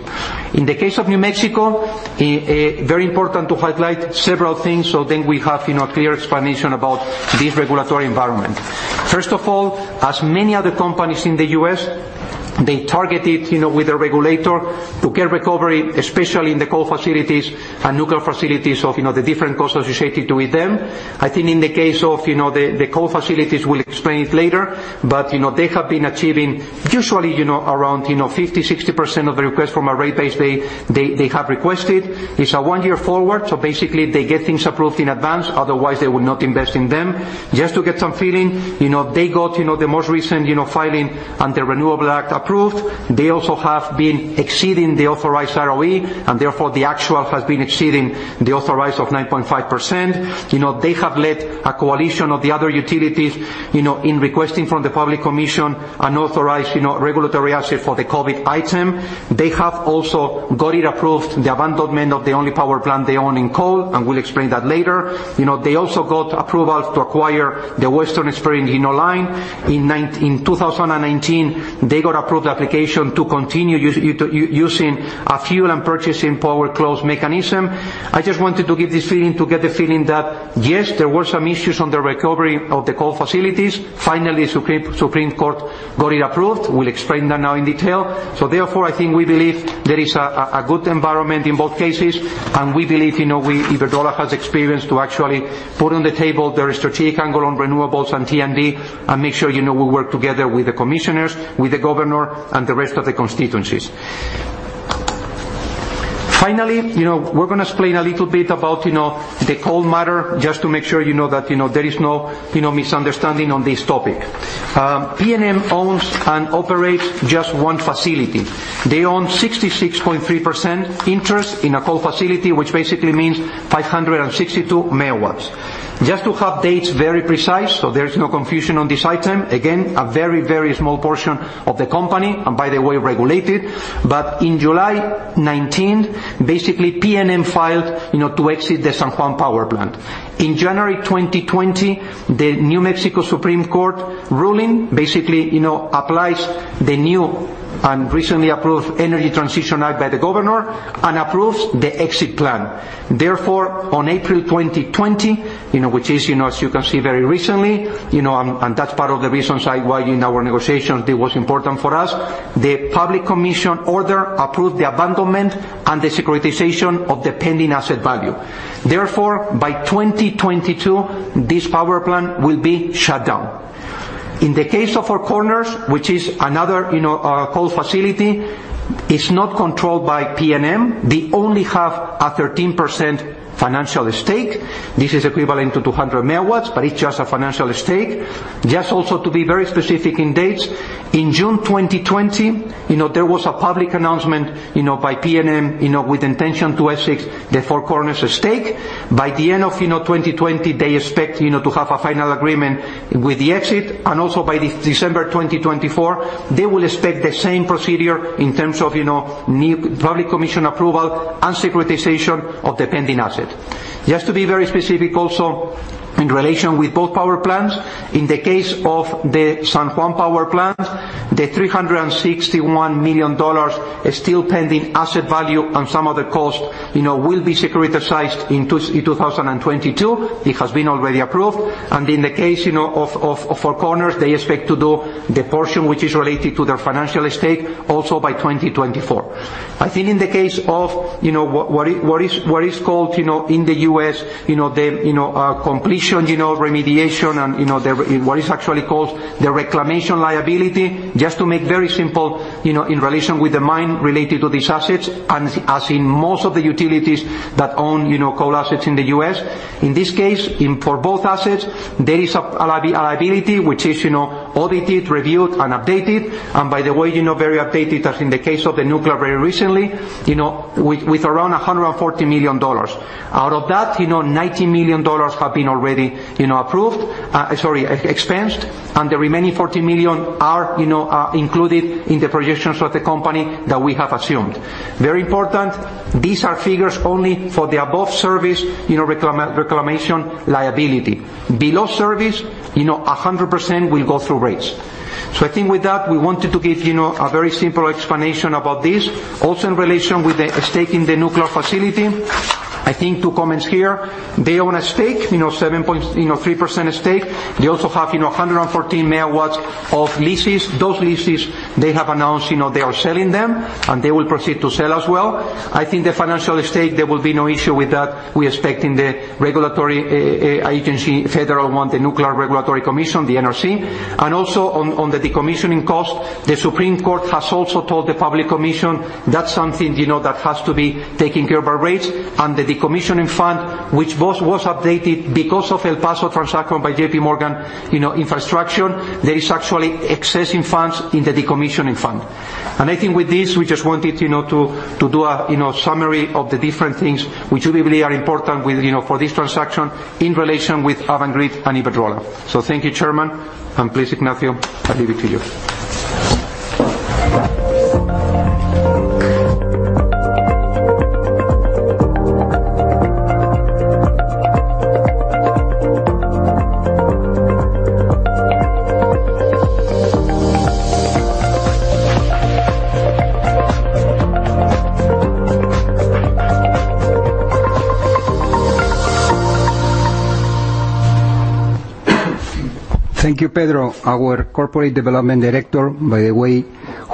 In the case of New Mexico, very important to highlight several things, so then we have clear explanation about this regulatory environment. First of all, as many other companies in the U.S., they targeted with the regulator to get recovery, especially in the coal facilities and nuclear facilities of the different costs associated with them. I think in the case of the coal facilities, we'll explain it later, but they have been achieving usually, around 50%, 60% of the request from a rate base they have requested. It's a one year forward, so basically, they get things approved in advance, otherwise they would not invest in them. Just to get some feeling, they got the most recent filing and the Renewable Energy Act approved. They also have been exceeding the authorized ROE, and therefore the actual has been exceeding the authorized of 9.5%. They have led a coalition of the other utilities, in requesting from the public commission an authorized regulatory asset for the COVID-19 item. They have also got it approved, the abandonment of the only power plant they own in coal, and we'll explain that later. They also got approval to acquire the Western Spirit line. In 2019, they got approved application to continue using a fuel and purchasing power clause mechanism. I just wanted to give this feeling, to get the feeling that, yes, there were some issues on the recovery of the coal facilities. Finally, Supreme Court got it approved. We'll explain that now in detail. Therefore, I think we believe there is a good environment in both cases, and we believe Iberdrola has experience to actually put on the table their strategic angle on renewables and T&D, and make sure we work together with the commissioners, with the governor, and the rest of the constituencies. Finally, we're going to explain a little bit about the coal matter, just to make sure that there is no misunderstanding on this topic. PNM owns and operates just one facility. They own 66.3% interest in a coal facility, which basically means 562 MW. Just to have dates very precise, so there is no confusion on this item. Again, a very small portion of the company, and by the way, regulated. In July 2019, basically, PNM filed to exit the San Juan Power Plant. In January 2020, the New Mexico Supreme Court ruling basically applies the new and recently approved Energy Transition Act by the governor, and approves the exit plan. On April 2020, which is, as you can see, very recently, and that's part of the reasons why in our negotiations, it was important for us, the Public Commission order approved the abandonment and the securitization of the pending asset value. By 2022, this power plant will be shut down. In the case of Four Corners, which is another coal facility, it's not controlled by PNM. They only have a 13% financial stake. This is equivalent to 200 MW, but it's just a financial stake. Just also to be very specific in dates, in June 2020, there was a public announcement by PNM, with intention to exit the Four Corners stake. By the end of 2020, they expect to have a final agreement with the exit. Also by December 2024, they will expect the same procedure in terms of Public Commission approval and securitization of the pending asset. Just to be very specific also, in relation with both power plants, in the case of the San Juan power plant, the $361 million is still pending asset value on some of the costs, will be securitized in 2022. It has been already approved. In the case of Four Corners, they expect to do the portion which is related to their financial stake also by 2024. I think in the case of what is called in the U.S., the completion remediation and what is actually called the reclamation liability. Just to make very simple, in relation with the mine related to these assets, and as in most of the utilities that own coal assets in the U.S. In this case, for both assets, there is a liability, which is audited, reviewed, and updated. By the way, very updated as in the case of the nuclear very recently, with around EUR 140 million. Out of that, EUR 90 million have been already approved, sorry, expensed. The remaining 40 million are included in the projections of the company that we have assumed. Very important, these are figures only for the above surface reclamation liability. Below surface, 100% will go through rates. I think with that, we wanted to give a very simple explanation about this. Also in relation with the stake in the nuclear facility, I think two comments here. They own a stake, 7.3% stake. They also have 114 MW of leases. Those leases, they have announced they are selling them, and they will proceed to sell as well. I think the financial stake, there will be no issue with that. We are expecting the regulatory agency, federal one, the Nuclear Regulatory Commission, the NRC. Also on the decommissioning cost, the Supreme Court has also told the Public Commission that's something that has to be taken care of by rates. The decommissioning fund, which was updated because of El Paso transaction by JPMorgan Infrastructure, there is actually excess in funds in the decommissioning fund. I think with this, we just wanted to do a summary of the different things which we believe are important for this transaction in relation with Avangrid and Iberdrola. Thank you, Chairman, and please, Ignacio, I leave it to you. Thank you, Pedro, our Corporate Development Director, by the way,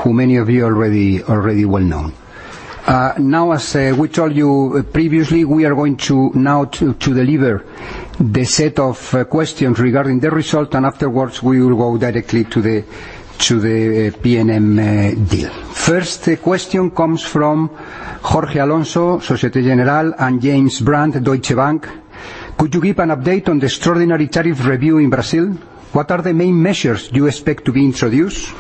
who many of you already well know. As we told you previously, we are going to now deliver the set of questions regarding the result, and afterwards, we will go directly to the PNM deal. First question comes from Jorge Alonso, Societe Generale, and James Brand, Deutsche Bank. Could you give an update on the extraordinary tariff review in Brazil? What are the main measures you expect to be introduced?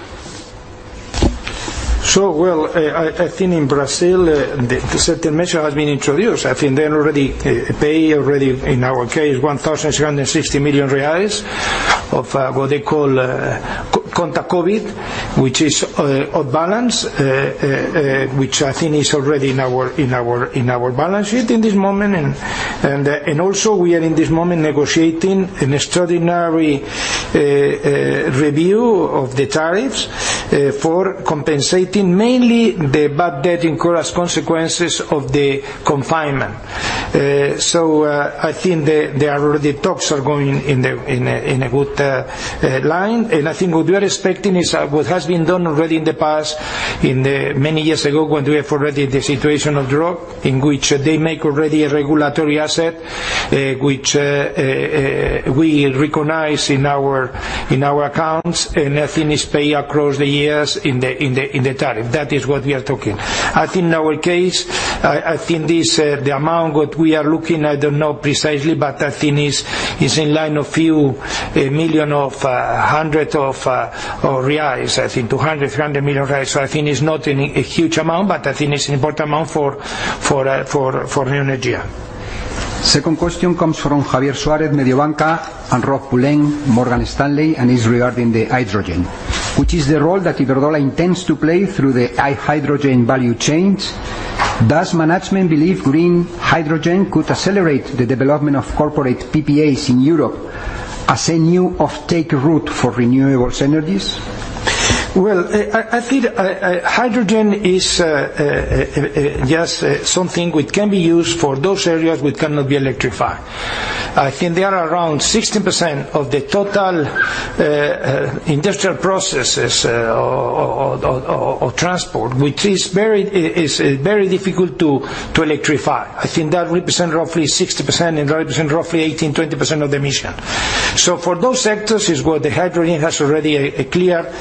I think in Brazil, certain measure has been introduced. I think they already pay, in our case, 1,260 million of what they call Conta Covid, which is off balance, which I think is already in our balance sheet in this moment. We are in this moment negotiating an extraordinary review of the tariffs for compensating mainly the bad debt incurred as consequences of the confinement. I think the talks are going in a good line. I think what we are expecting is what has been done already in the past, many years ago when we have already the situation of ROE, in which they make already a regulatory asset, which we recognize in our accounts, and I think is paid across the years in the tariff. That is what we are talking. I think in our case, I think the amount what we are looking, I don't know precisely, but I think is in line of few million of hundred of BRL. I think 200 million, 300 million reais. I think it's not a huge amount, but I think it's an important amount for Neoenergia. Second question comes from Javier Suarez, Mediobanca, and Rob Pulleyn, Morgan Stanley, and is regarding the hydrogen. Which is the role that Iberdrola intends to play through the hydrogen value chains? Does management believe green hydrogen could accelerate the development of corporate PPAs in Europe as a new off-take route for renewables energies? Well, I think hydrogen is just something which can be used for those areas which cannot be electrified. I think there are around 60% of the total industrial processes of transport, which is very difficult to electrify. I think that represent roughly 60% and represent roughly 18%, 20% of emission. For those sectors is where the hydrogen has already a clear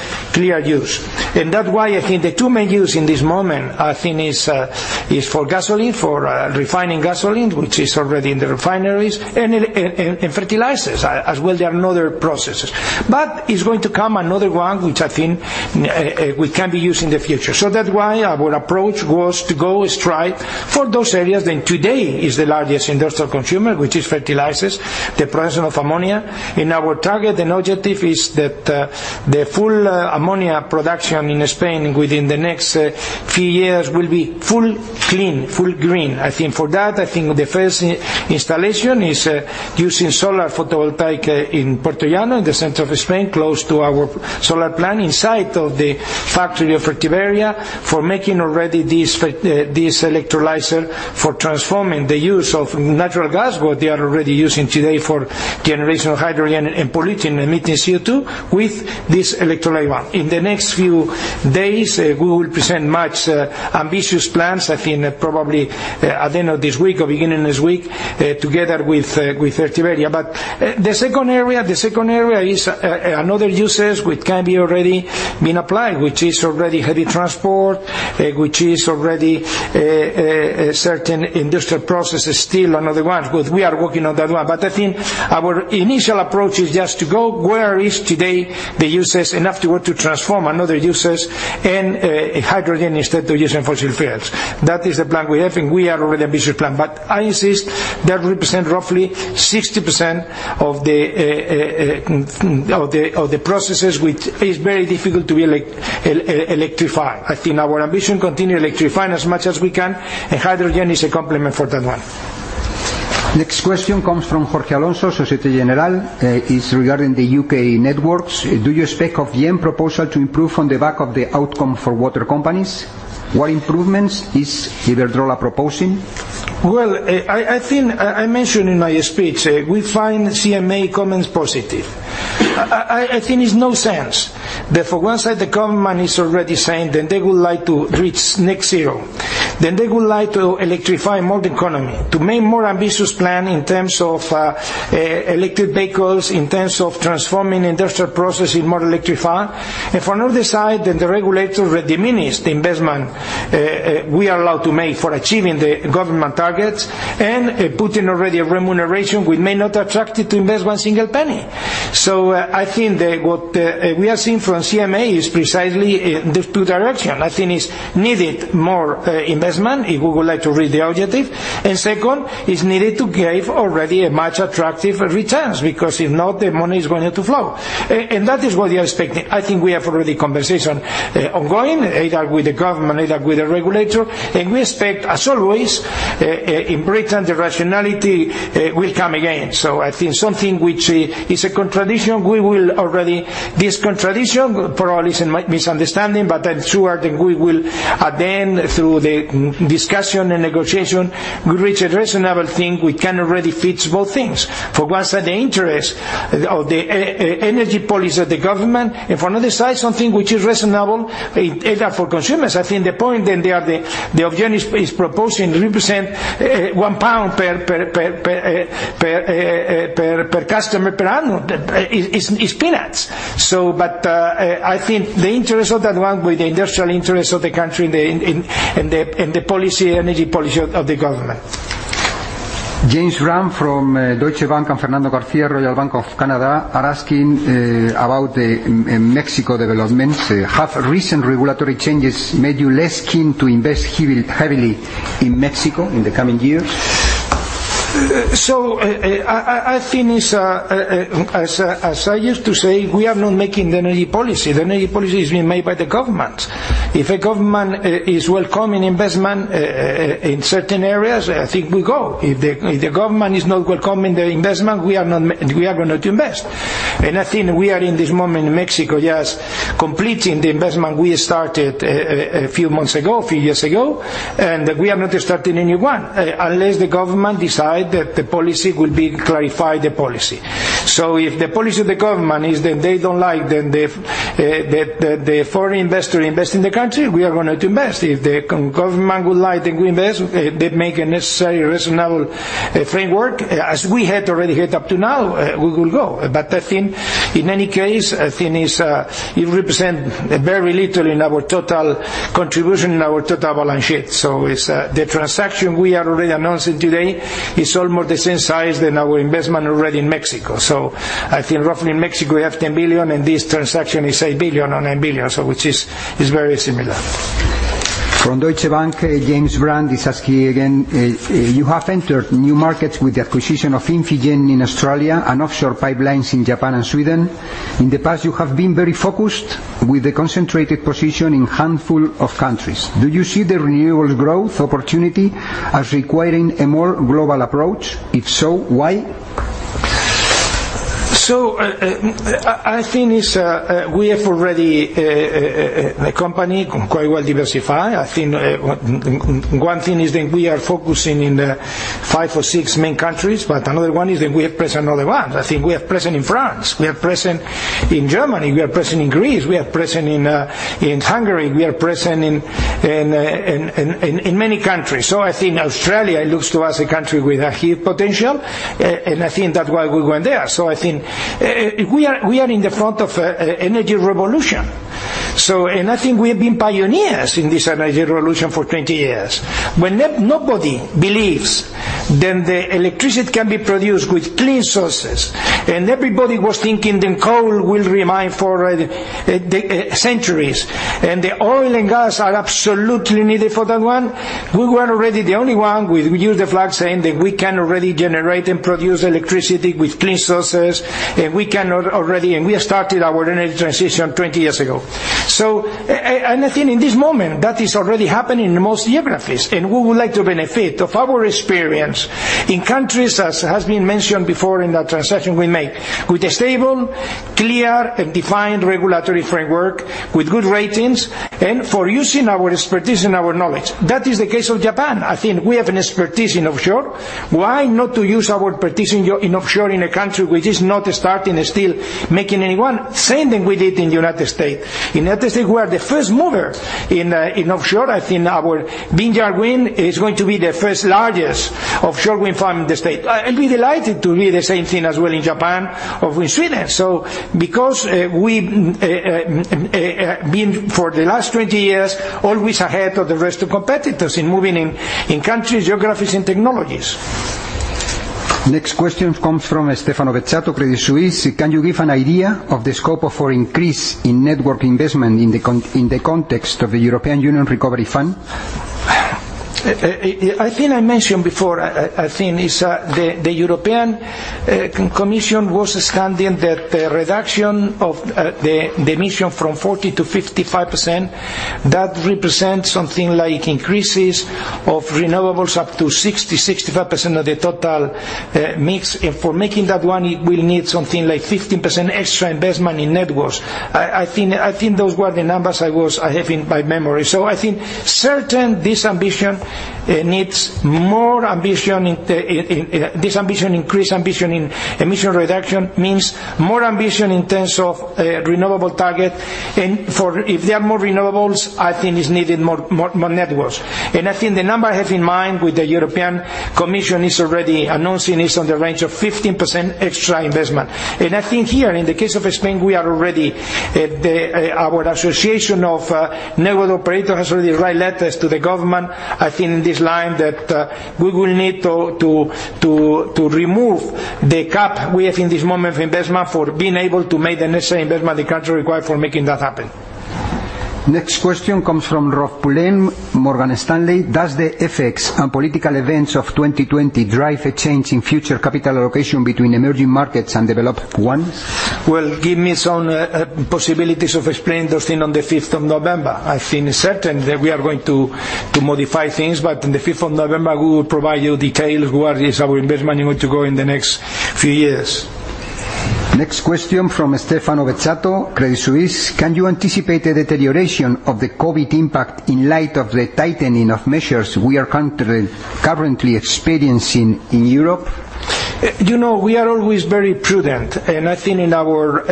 use. That's why I think the two main use in this moment, I think is for gasoline, for refining gasoline, which is already in the refineries, and in fertilizers as well there are another processes. It's going to come another one, which I think we can be used in the future. That's why our approach was to go straight for those areas. Today is the largest industrial consumer, which is fertilizers, the production of ammonia. Our target and objective is that the full ammonia production in Spain within the next few years will be full clean, full green. I think for that, the first installation is using solar photovoltaic in Puertollano in the center of Spain, close to our solar planning site of the factory of Fertiberia for making already this electrolyzer for transforming the use of natural gas, what they are already using today for generation of hydrogen and polluting, emitting CO2 with this electrolyte one. In the next few days, we will present much ambitious plans. I think probably at the end of this week or beginning of this week, together with Fertiberia. The second area is another uses which can be already been applied, which is already heavy transport, which is already certain industrial processes, steel and other ones. We are working on that one. I think our initial approach is just to go where is today the uses and afterward to transform another uses and hydrogen instead of using fossil fuels. That is the plan we have, we are already ambitious plan. I insist that represent roughly 60% of the processes which is very difficult to be electrified. I think our ambition continue electrifying as much as we can, hydrogen is a complement for that one. Next question comes from Jorge Alonso, Societe Generale, is regarding the U.K. networks. Do you expect Ofgem proposal to improve on the back of the outcome for water companies? What improvements is Iberdrola proposing? Well, I think I mentioned in my speech, we find CMA comments positive. I think it's no sense that for one side, the government is already saying that they would like to reach net zero, then they would like to electrify more the economy to make more ambitious plan in terms of electric vehicles, in terms of transforming industrial processing, more electrified. For another side, then the regulator diminishes the investment we are allowed to make for achieving the government targets and putting already a remuneration we may not attracted to invest one single penny. I think that what we are seeing from CMA is precisely the two directions. I think it's needed more investment if we would like to reach the objective. Second, it's needed to give already a much attractive returns, because if not, the money is going to flow. That is what we are expecting. I think we have already conversation ongoing, either with the government, either with the regulator, we expect, as always, in Britain, the rationality will come again. I think something which is a contradiction. This contradiction probably is a misunderstanding, I'm sure that we will, at the end, through the discussion and negotiation, we reach a reasonable thing. We can already fix both things. For one side, the interest of the energy policy of the government, for another side, something which is reasonable either for consumers. I think the point that the Ofgem is proposing represent 1 pound per customer per annum. It's peanuts. I think the interest of that one with the industrial interest of the country and the policy, energy policy of the government. James Brand from Deutsche Bank and Fernando Garcia, Royal Bank of Canada, are asking about the Mexico developments. Have recent regulatory changes made you less keen to invest heavily in Mexico in the coming years? I think as I used to say, we are not making the energy policy. The energy policy is being made by the government. If a government is welcoming investment in certain areas, I think we go. If the government is not welcoming the investment, we are not going to invest. I think we are in this moment in Mexico just completing the investment we started a few months ago, a few years ago, and we are not starting a new one unless the government decide that the policy will be clarified the policy. If the policy of the government is that they don't like that the foreign investor invest in the country, we are not going to invest. If the government would like that we invest, they make a necessary, reasonable framework, as we had already had up to now, we will go. I think in any case, I think it represent very little in our total contribution, in our total balance sheet. The transaction we are already announcing today is almost the same size than our investment already in Mexico. I think roughly in Mexico, we have 10 billion, and this transaction is 8 billion or 9 billion, so which is very similar. From Deutsche Bank, James Brand is asking again, you have entered new markets with the acquisition of Infigen in Australia and offshore pipelines in Japan and Sweden. In the past, you have been very focused with the concentrated position in handful of countries. Do you see the renewables growth opportunity as requiring a more global approach? If so, why? I think we have already a company quite well diversified. I think one thing is that we are focusing in the five or six main countries, but another one is that we are present in other ones. I think we are present in France, we are present in Germany, we are present in Greece, we are present in Hungary, we are present in many countries. I think Australia looks to us a country with a huge potential, and I think that's why we went there. I think we are in the front of energy revolution. I think we have been pioneers in this energy revolution for 20 years. When nobody believes that the electricity can be produced with clean sources, and everybody was thinking that coal will remain for centuries, and the oil and gas are absolutely needed for that one, we were already the only one. We used the flag saying that we can already generate and produce electricity with clean sources. We have started our energy transition 20 years ago. I think in this moment, that is already happening in most geographies. We would like to benefit of our experience in countries, as has been mentioned before in that transition we make, with a stable, clear, and defined regulatory framework with good ratings for using our expertise and our knowledge. That is the case of Japan. I think we have an expertise in offshore. Why not use our expertise in offshore in a country which is not starting, still making any one? Same thing we did in the U.S. In U.S., we are the first mover in offshore. I think our Vineyard Wind is going to be the first largest offshore wind farm in the U.S. I'll be delighted to hear the same thing as well in Japan or with Sweden because we've been, for the last 20 years, always ahead of the rest of competitors in moving in countries, geographies, and technologies. Next question comes from Stefano Bezzato, Credit Suisse. Can you give an idea of the scope for increase in network investment in the context of the European Union Recovery Fund? I think I mentioned before, I think the European Commission was standing that the reduction of the emission from 40%-55%, that represents something like increases of renewables up to 60%-65% of the total mix. For making that one, it will need something like 15% extra investment in networks. I think those were the numbers I have in my memory. I think certain, this ambition increased ambition in emission reduction means more ambition in terms of renewable target. If there are more renewables, I think is needed more networks. I think the number I have in mind with the European Commission is already announcing is on the range of 15% extra investment. I think here, in the case of Spain, our association of network operator has already write letters to the government, I think in this line, that we will need to remove the cap we have in this moment of investment for being able to make the necessary investment the country require for making that happen. Next question comes from Rob Pulleyn, Morgan Stanley. Does the effects and political events of 2020 drive a change in future capital allocation between emerging markets and developed ones? Well, give me some possibilities of explaining those things on the 5 of November. I think certain that we are going to modify things, but on the 5 of November, we will provide you details where is our investment going to go in the next few years. Next question from Stefano Vecchio, Credit Suisse. Can you anticipate a deterioration of the COVID impact in light of the tightening of measures we are currently experiencing in Europe? We are always very prudent. I think in our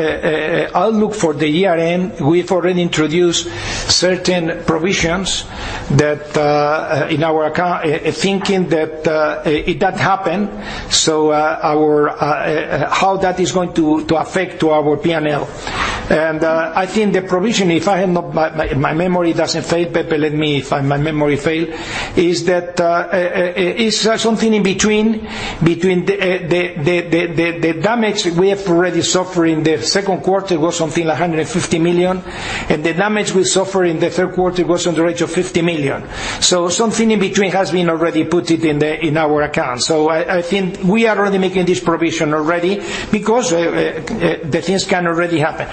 outlook for the year-end, we've already introduced certain provisions that in our account, thinking that it did happen, so how that is going to affect to our P&L. I think the provision, if my memory doesn't fail, Pepe, is that something in between the damage we have already suffered in the second quarter was something like 150 million, the damage we suffer in the third quarter was in the range of 50 million. Something in between has been already put it in our account. I think we are already making this provision already because the things can already happen.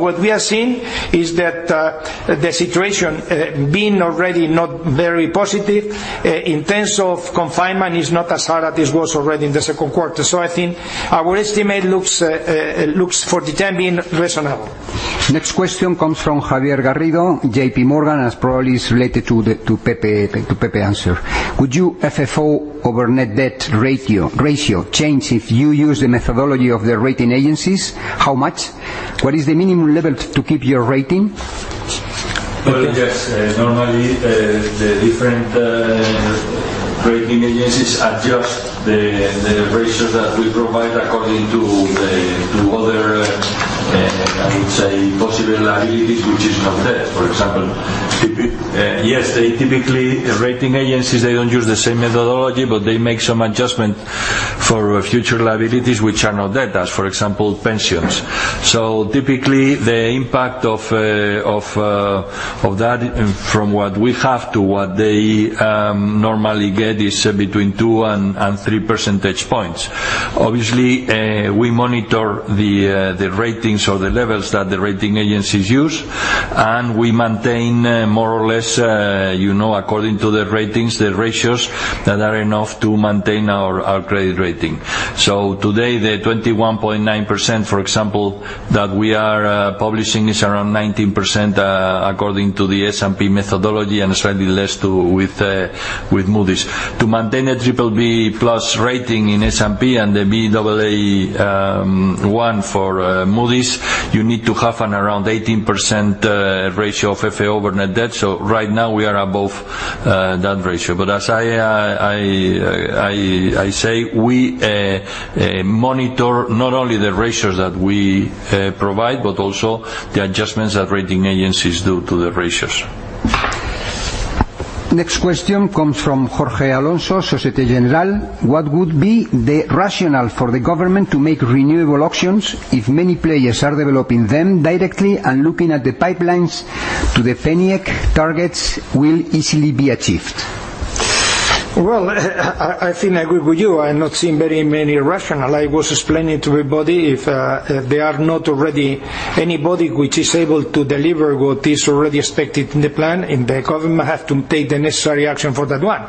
What we are seeing is that the situation being already not very positive in terms of confinement is not as hard as it was already in the second quarter. I think our estimate looks for the time being reasonable. Next question comes from Javier Garrido, JPMorgan, as probably is related to Pepe answer. Would your FFO over net debt ratio change if you use the methodology of the rating agencies? How much? What is the minimum level to keep your rating, Pepe? Well, yes. Normally, the different rating agencies adjust the ratio that we provide according to other, I would say, possible liabilities, which is not there. Yes. They typically, rating agencies, they don't use the same methodology, but they make some adjustment for future liabilities, which are not debt. As for example, pensions. So typically, the impact of that from what we have to what they normally get is between two and three percentage points. Obviously, we monitor the ratings or the levels that the rating agencies use, and we maintain more or less according to the ratings, the ratios that are enough to maintain our credit rating. So today, the 21.9%, for example, that we are publishing is around 19% according to the S&P methodology and slightly less with Moody's. To maintain a BBB+ rating in S&P and the Baa1 for Moody's, you need to have an around 18% ratio of FFO over net debt. So right now we are above that ratio. As I say, we monitor not only the ratios that we provide, but also the adjustments that rating agencies do to the ratios. Next question comes from Jorge Alonso, Societe Generale. What would be the rationale for the government to make renewable auctions if many players are developing them directly and looking at the pipelines to the PNIEC targets will easily be achieved? Well, I think I agree with you. I'm not seeing very many rationale. I was explaining to everybody, if there are not already anybody which is able to deliver what is already expected in the plan, and the government have to take the necessary action for that one.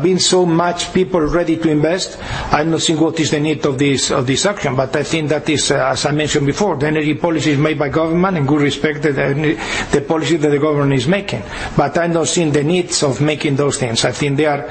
Being so much people ready to invest, I'm not seeing what is the need of this auction. I think that is, as I mentioned before, the energy policy is made by government and we respect the policy that the government is making. I'm not seeing the needs of making those things. I think there are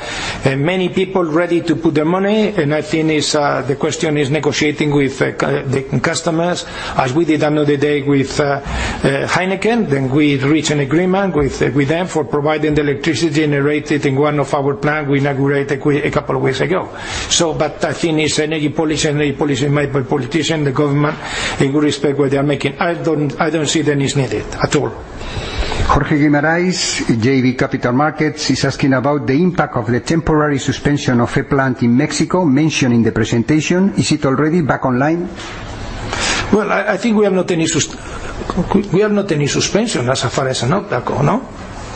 many people ready to put their money, and I think the question is negotiating with the customers, as we did another day with HEINEKEN, then we reach an agreement with them for providing the electricity generated in one of our plant we inaugurate a couple of weeks ago. I think it's energy policy made by politician, the government, and we respect what they are making. I don't see the need is needed at all. Jorge Guimaraes, JB Capital Markets. He's asking about the impact of the temporary suspension of a plant in Mexico mentioned in the presentation. Is it already back online? Well, I think we have not any suspension as far as I know, Paco, no?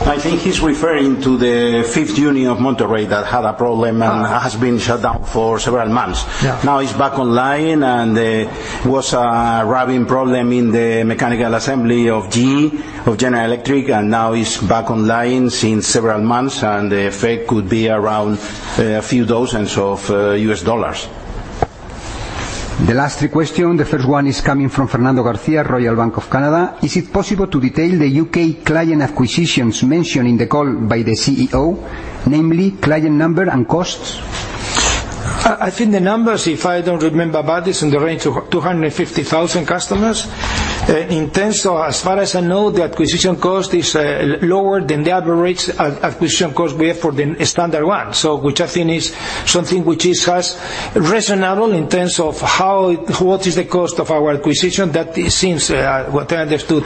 I think he's referring to the fifth unit of Monterrey that had a problem and has been shut down for several months. Yeah. Now it's back online, there was a rubbing problem in the mechanical assembly of GE, of General Electric, now it's back online since several months, the effect could be around a few thousands of U.S. dollars. The last three question, the first one is coming from Fernando Garcia, Royal Bank of Canada. Is it possible to detail the U.K. client acquisitions mentioned in the call by the CEO, namely client number and costs? I think the numbers, if I don't remember bad, is in the range of 250,000 customers. In terms of, as far as I know, the acquisition cost is lower than the average acquisition cost we have for the standard one. Which I think is something which is as reasonable in terms of what is the cost of our acquisition. That it seems, what I understood,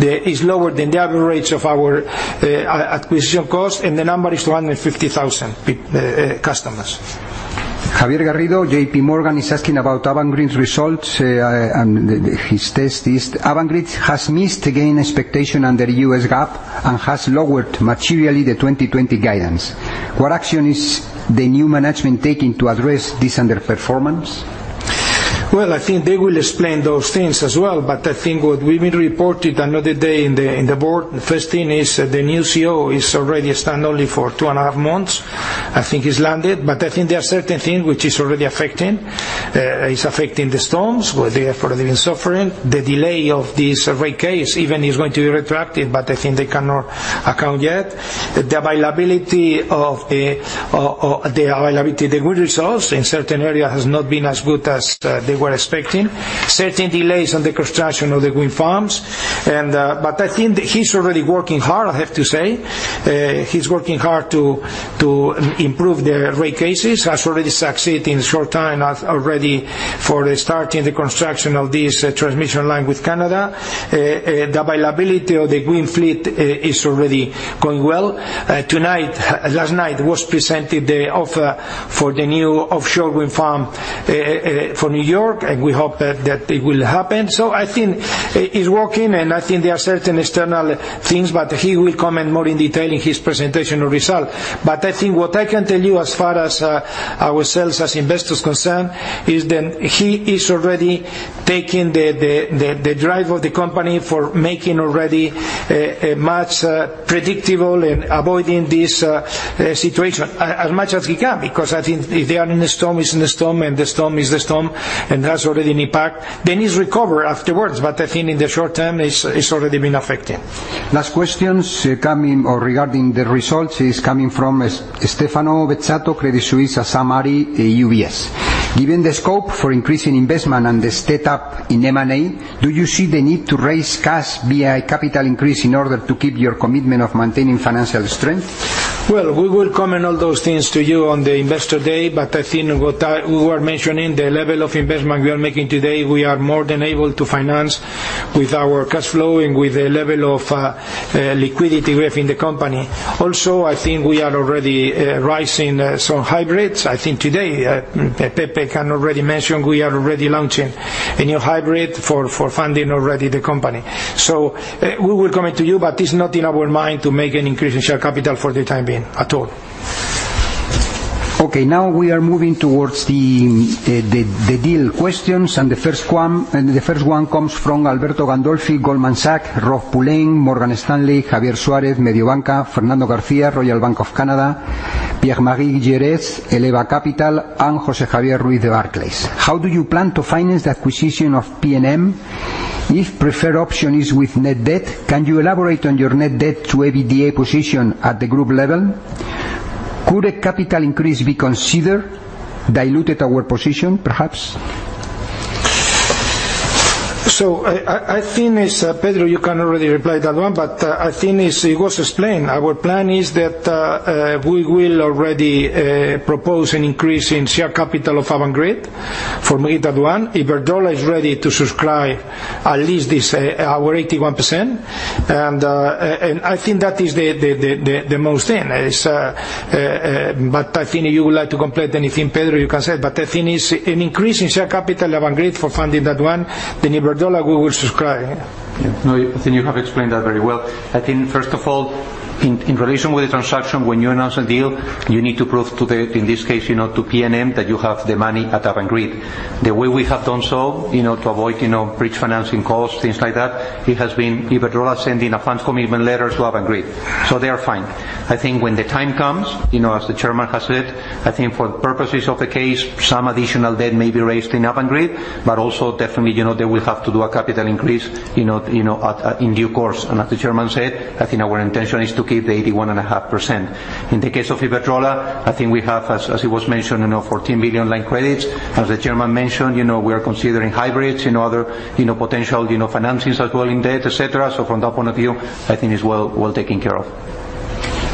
that is lower than the average of our acquisition cost, and the number is 250,000 customers. Javier Garrido, JPMorgan, is asking about Avangrid's results. His test is Avangrid has missed again expectation under US GAAP and has lowered materially the 2020 guidance. What action is the new management taking to address this underperformance? I think they will explain those things as well. I think what we've been reported another day in the board, the first thing is the new CEO is already stand only for 2.5 months. I think he's landed. I think there are certain things which is already affecting. It's affecting the storms, where they have already been suffering. The delay of this rate case even is going to be retracted. I think they cannot account yet. The availability, the good results in certain area has not been as good as they were expecting. Certain delays on the construction of the wind farms. I think he's already working hard, I have to say. He's working hard to improve the rate cases, has already succeeded in a short time already for starting the construction of this transmission line with Canada. The availability of the wind fleet is already going well. Last night was presented the offer for the new offshore wind farm for New York, and we hope that it will happen. I think it's working, and I think there are certain external things, but he will comment more in detail in his presentation of result. I think what I can tell you as far as ourselves as investors concerned, is that he is already taking the drive of the company for making already much predictable and avoiding this situation as much as he can, because I think if they are in a storm, it's in the storm, and the storm is the storm, and has already impact. It's recover afterwards, but I think in the short-term, it's already been affecting. Last questions regarding the results is coming from Stefano Bezzato, Credit Suisse, and Sam Arie, UBS. Given the scope for increasing investment and the step up in M&A, do you see the need to raise cash via a capital increase in order to keep your commitment of maintaining financial strength? We will comment all those things to you on the Investor day, but I think what we were mentioning, the level of investment we are making today, we are more than able to finance with our cash flow and with the level of liquidity we have in the company. I think we are already rising some hybrids. I think today, Pepe can already mention we are already launching a new hybrid for funding already the company. We will comment to you, but it's not in our mind to make an increase in share capital for the time being at all. Okay, now we are moving towards the deal questions. The first one comes from Alberto Gandolfi, Goldman Sachs, Rob Pulleyn, Morgan Stanley, Javier Suarez, Mediobanca, Fernando Garcia, Royal Bank of Canada, Pierre-Marie Gerez, Eleva Capital, and Jose Javier Ruiz of Barclays. How do you plan to finance the acquisition of PNM? If preferred option is with net debt, can you elaborate on your net debt to EBITDA position at the group level? Could a capital increase be considered, diluted our position, perhaps? I think, Pedro, you can already reply that one, but I think it was explained. Our plan is that we will already propose an increase in share capital of Avangrid for that one. Iberdrola is ready to subscribe at least our 81%. I think that is the most thing. I think if you would like to complete anything, Pedro, you can say. The thing is, an increase in share capital of Avangrid for funding that one, then Iberdrola will subscribe. I think you have explained that very well. I think, first of all, in relation with the transaction, when you announce a deal, you need to prove, in this case, to PNM, that you have the money at Avangrid. The way we have done so to avoid bridge financing costs, things like that, it has been Iberdrola sending a funds commitment letter to Avangrid. They are fine. I think when the time comes, as the Chairman has said, I think for the purposes of the case, some additional debt may be raised in Avangrid, but also definitely, they will have to do a capital increase in due course. As the Chairman said, I think our intention is to keep the 81.5%. In the case of Iberdrola, I think we have, as it was mentioned, 14 billion line credits As the chairman mentioned, we are considering hybrids and other potential financings as well in debt, et cetera. From that point of view, I think it's well taken care of.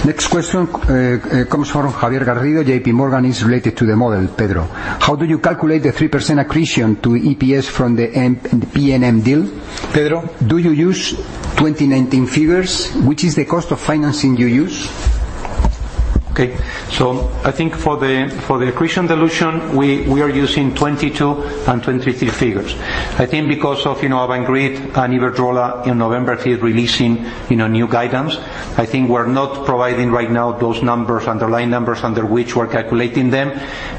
Next question comes from Javier Garrido, J.P. Morgan. It is related to the model, Pedro. How do you calculate the 3% accretion to EPS from the PNM deal? Pedro? Do you use 2019 figures? Which is the cost of financing you use? Okay. I think for the accretion dilution, we are using 2022 and 2023 figures. I think because of Avangrid and Iberdrola in November 5 releasing new guidance. I think we're not providing right now those numbers, underlying numbers, under which we're calculating them.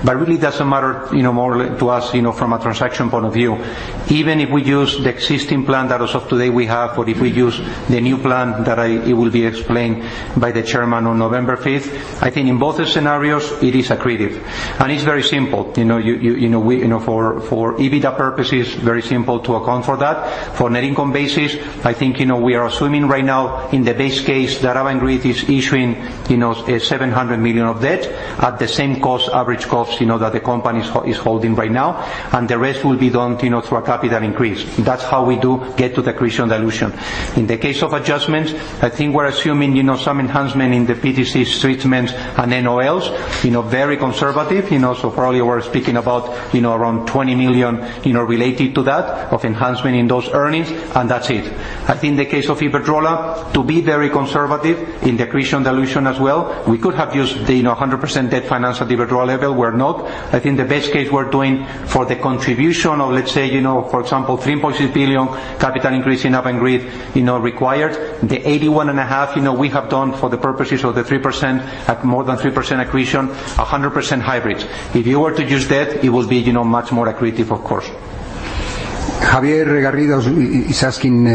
Really it doesn't matter, more to us, from a transaction point of view. Even if we use the existing plan that as of today we have, or if we use the new plan that it will be explained by the chairman on November 5th, I think in both scenarios it is accretive. It's very simple. For EBITDA purposes, very simple to account for that. For net income basis, I think we are assuming right now in the base case that Avangrid is issuing 700 million of debt at the same average cost that the company is holding right now, and the rest will be done through a capital increase. That's how we do get to the accretion dilution. In the case of adjustments, I think we're assuming some enhancement in the PTC treatments and NOLs, very conservative. Probably we're speaking about around 20 million related to that, of enhancement in those earnings, and that's it. I think the case of Iberdrola, to be very conservative in the accretion dilution as well, we could have used the 100% debt finance at Iberdrola level. We're not. I think the base case we're doing for the contribution of, let's say, for example, 3.2 billion capital increase in Avangrid required. The 81.5% we have done for the purposes of the 3%, at more than 3% accretion, 100% hybrid. If you were to use debt, it would be much more accretive, of course. Javier Garrido is asking,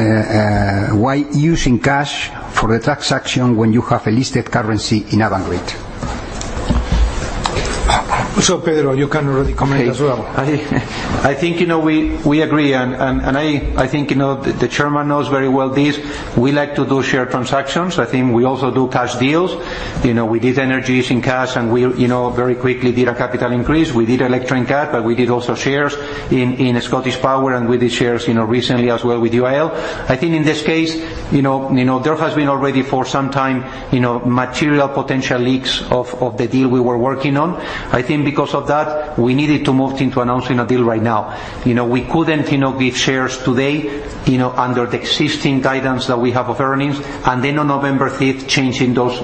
why using cash for the transaction when you have a listed currency in Avangrid? Pedro, you can already comment as well. We agree, and the chairman knows very well this. We like to do share transactions. We also do cash deals. We did Energy East in cash, and we very quickly did a capital increase. We did Elektro in cash, but we did also shares in ScottishPower, and we did shares recently as well with UIL. In this case, there has been already for some time material potential leaks of the deal we were working on. Because of that, we needed to move into announcing a deal right now. We couldn't give shares today, under the existing guidance that we have of earnings, and then on November 5th, changing those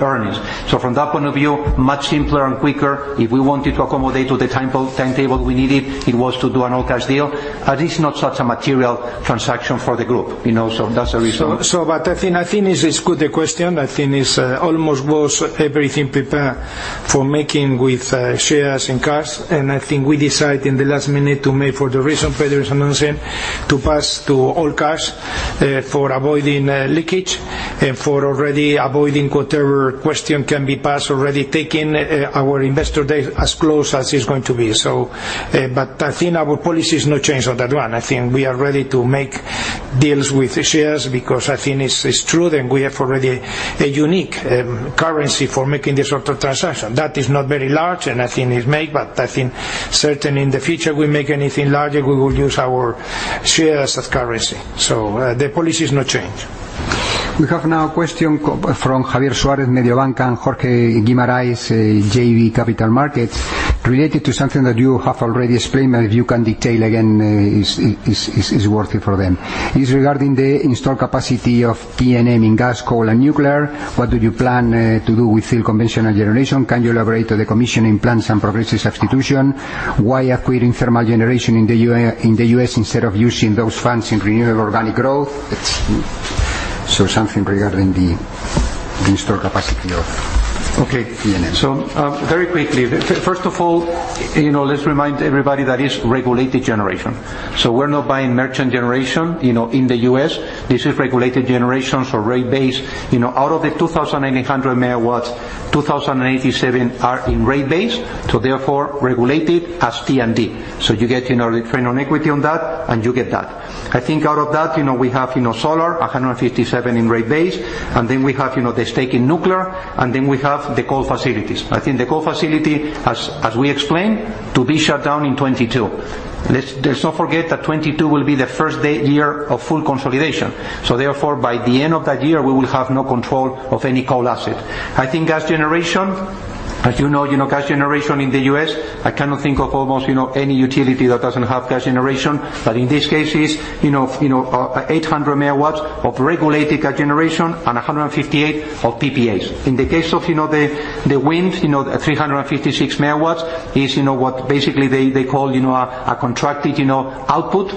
earnings. From that point of view, much simpler and quicker, if we wanted to accommodate to the timetable we needed, it was to do an all-cash deal, as it's not such a material transaction for the group. That's the reason. I think it's good, the question. I think it's almost was everything prepared for making with shares and cash, and I think we decide in the last minute to make for the reason Pedro's announcing, to pass to all cash, for avoiding leakage and for already avoiding whatever question can be passed already taking our investor day as close as it's going to be. I think our policy is not changed on that one. I think we are ready to make deals with shares because I think it's true, and we have already a unique currency for making this sort of transaction. That is not very large, and I think it's made, but I think certainly in the future, we make anything large, we will use our shares as currency. The policy is no change. We have now a question from Javier Suarez, Mediobanca, and Jorge Guimaraes, JB Capital Markets, related to something that you have already explained, but if you can detail again, it's worthy for them. It's regarding the installed capacity of PNM in gas, coal, and nuclear. What do you plan to do with conventional generation? Can you elaborate on the commissioning plans and progressive substitution? Why acquiring thermal generation in the U.S. instead of using those funds in renewable organic growth? Something regarding the installed capacity of PNM. Okay. Very quickly, first of all, let's remind everybody that is regulated generation. We're not buying merchant generation in the U.S. This is regulated generation, so rate base. Out of the 2,800 MW, 2,087 are in rate base, so therefore regulated as T&D. You get return on equity on that, and you get that. I think out of that, we have solar, 157 in rate base, and then we have the stake in nuclear, and then we have the coal facilities. I think the coal facility, as we explained, to be shut down in 2022. Let's not forget that 2022 will be the first year of full consolidation. Therefore, by the end of that year, we will have no control of any coal asset. I think gas generation, as you know, gas generation in the U.S., I cannot think of almost any utility that doesn't have gas generation. In this case, it's 800 MW of regulated gas generation and 158 of PPAs. In the case of the wind, 356 MW is what basically they call a contracted output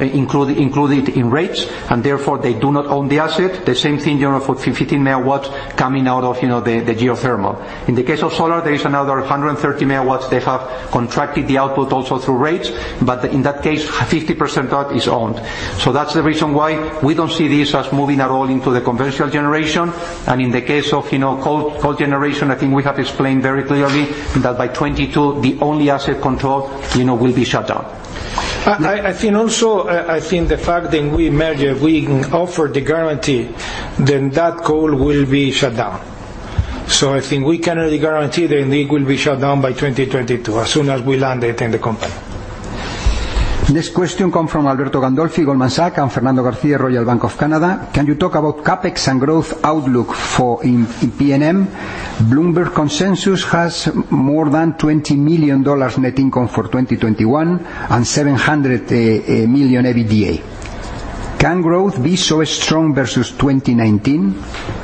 included in rates, and therefore, they do not own the asset. The same thing, for 15 MW coming out of the geothermal. In the case of solar, there is another 130 MW they have contracted the output also through rates. In that case, 50% of that is owned. That's the reason why we don't see this as moving at all into the conventional generation. In the case of coal generation, I think we have explained very clearly that by 2022, the only asset control will be shut down. I think also, I think the fact that we merge, if we offer the guarantee, that coal will be shut down. I think we can really guarantee that it will be shut down by 2022, as soon as we land it in the company. Next question come from Alberto Gandolfi, Goldman Sachs, and Fernando Garcia, Royal Bank of Canada. Can you talk about CapEx and growth outlook for PNM? Bloomberg Consensus has more than $20 million net income for 2021 and $700 million EBITDA. Can growth be so strong versus 2019? Pedro?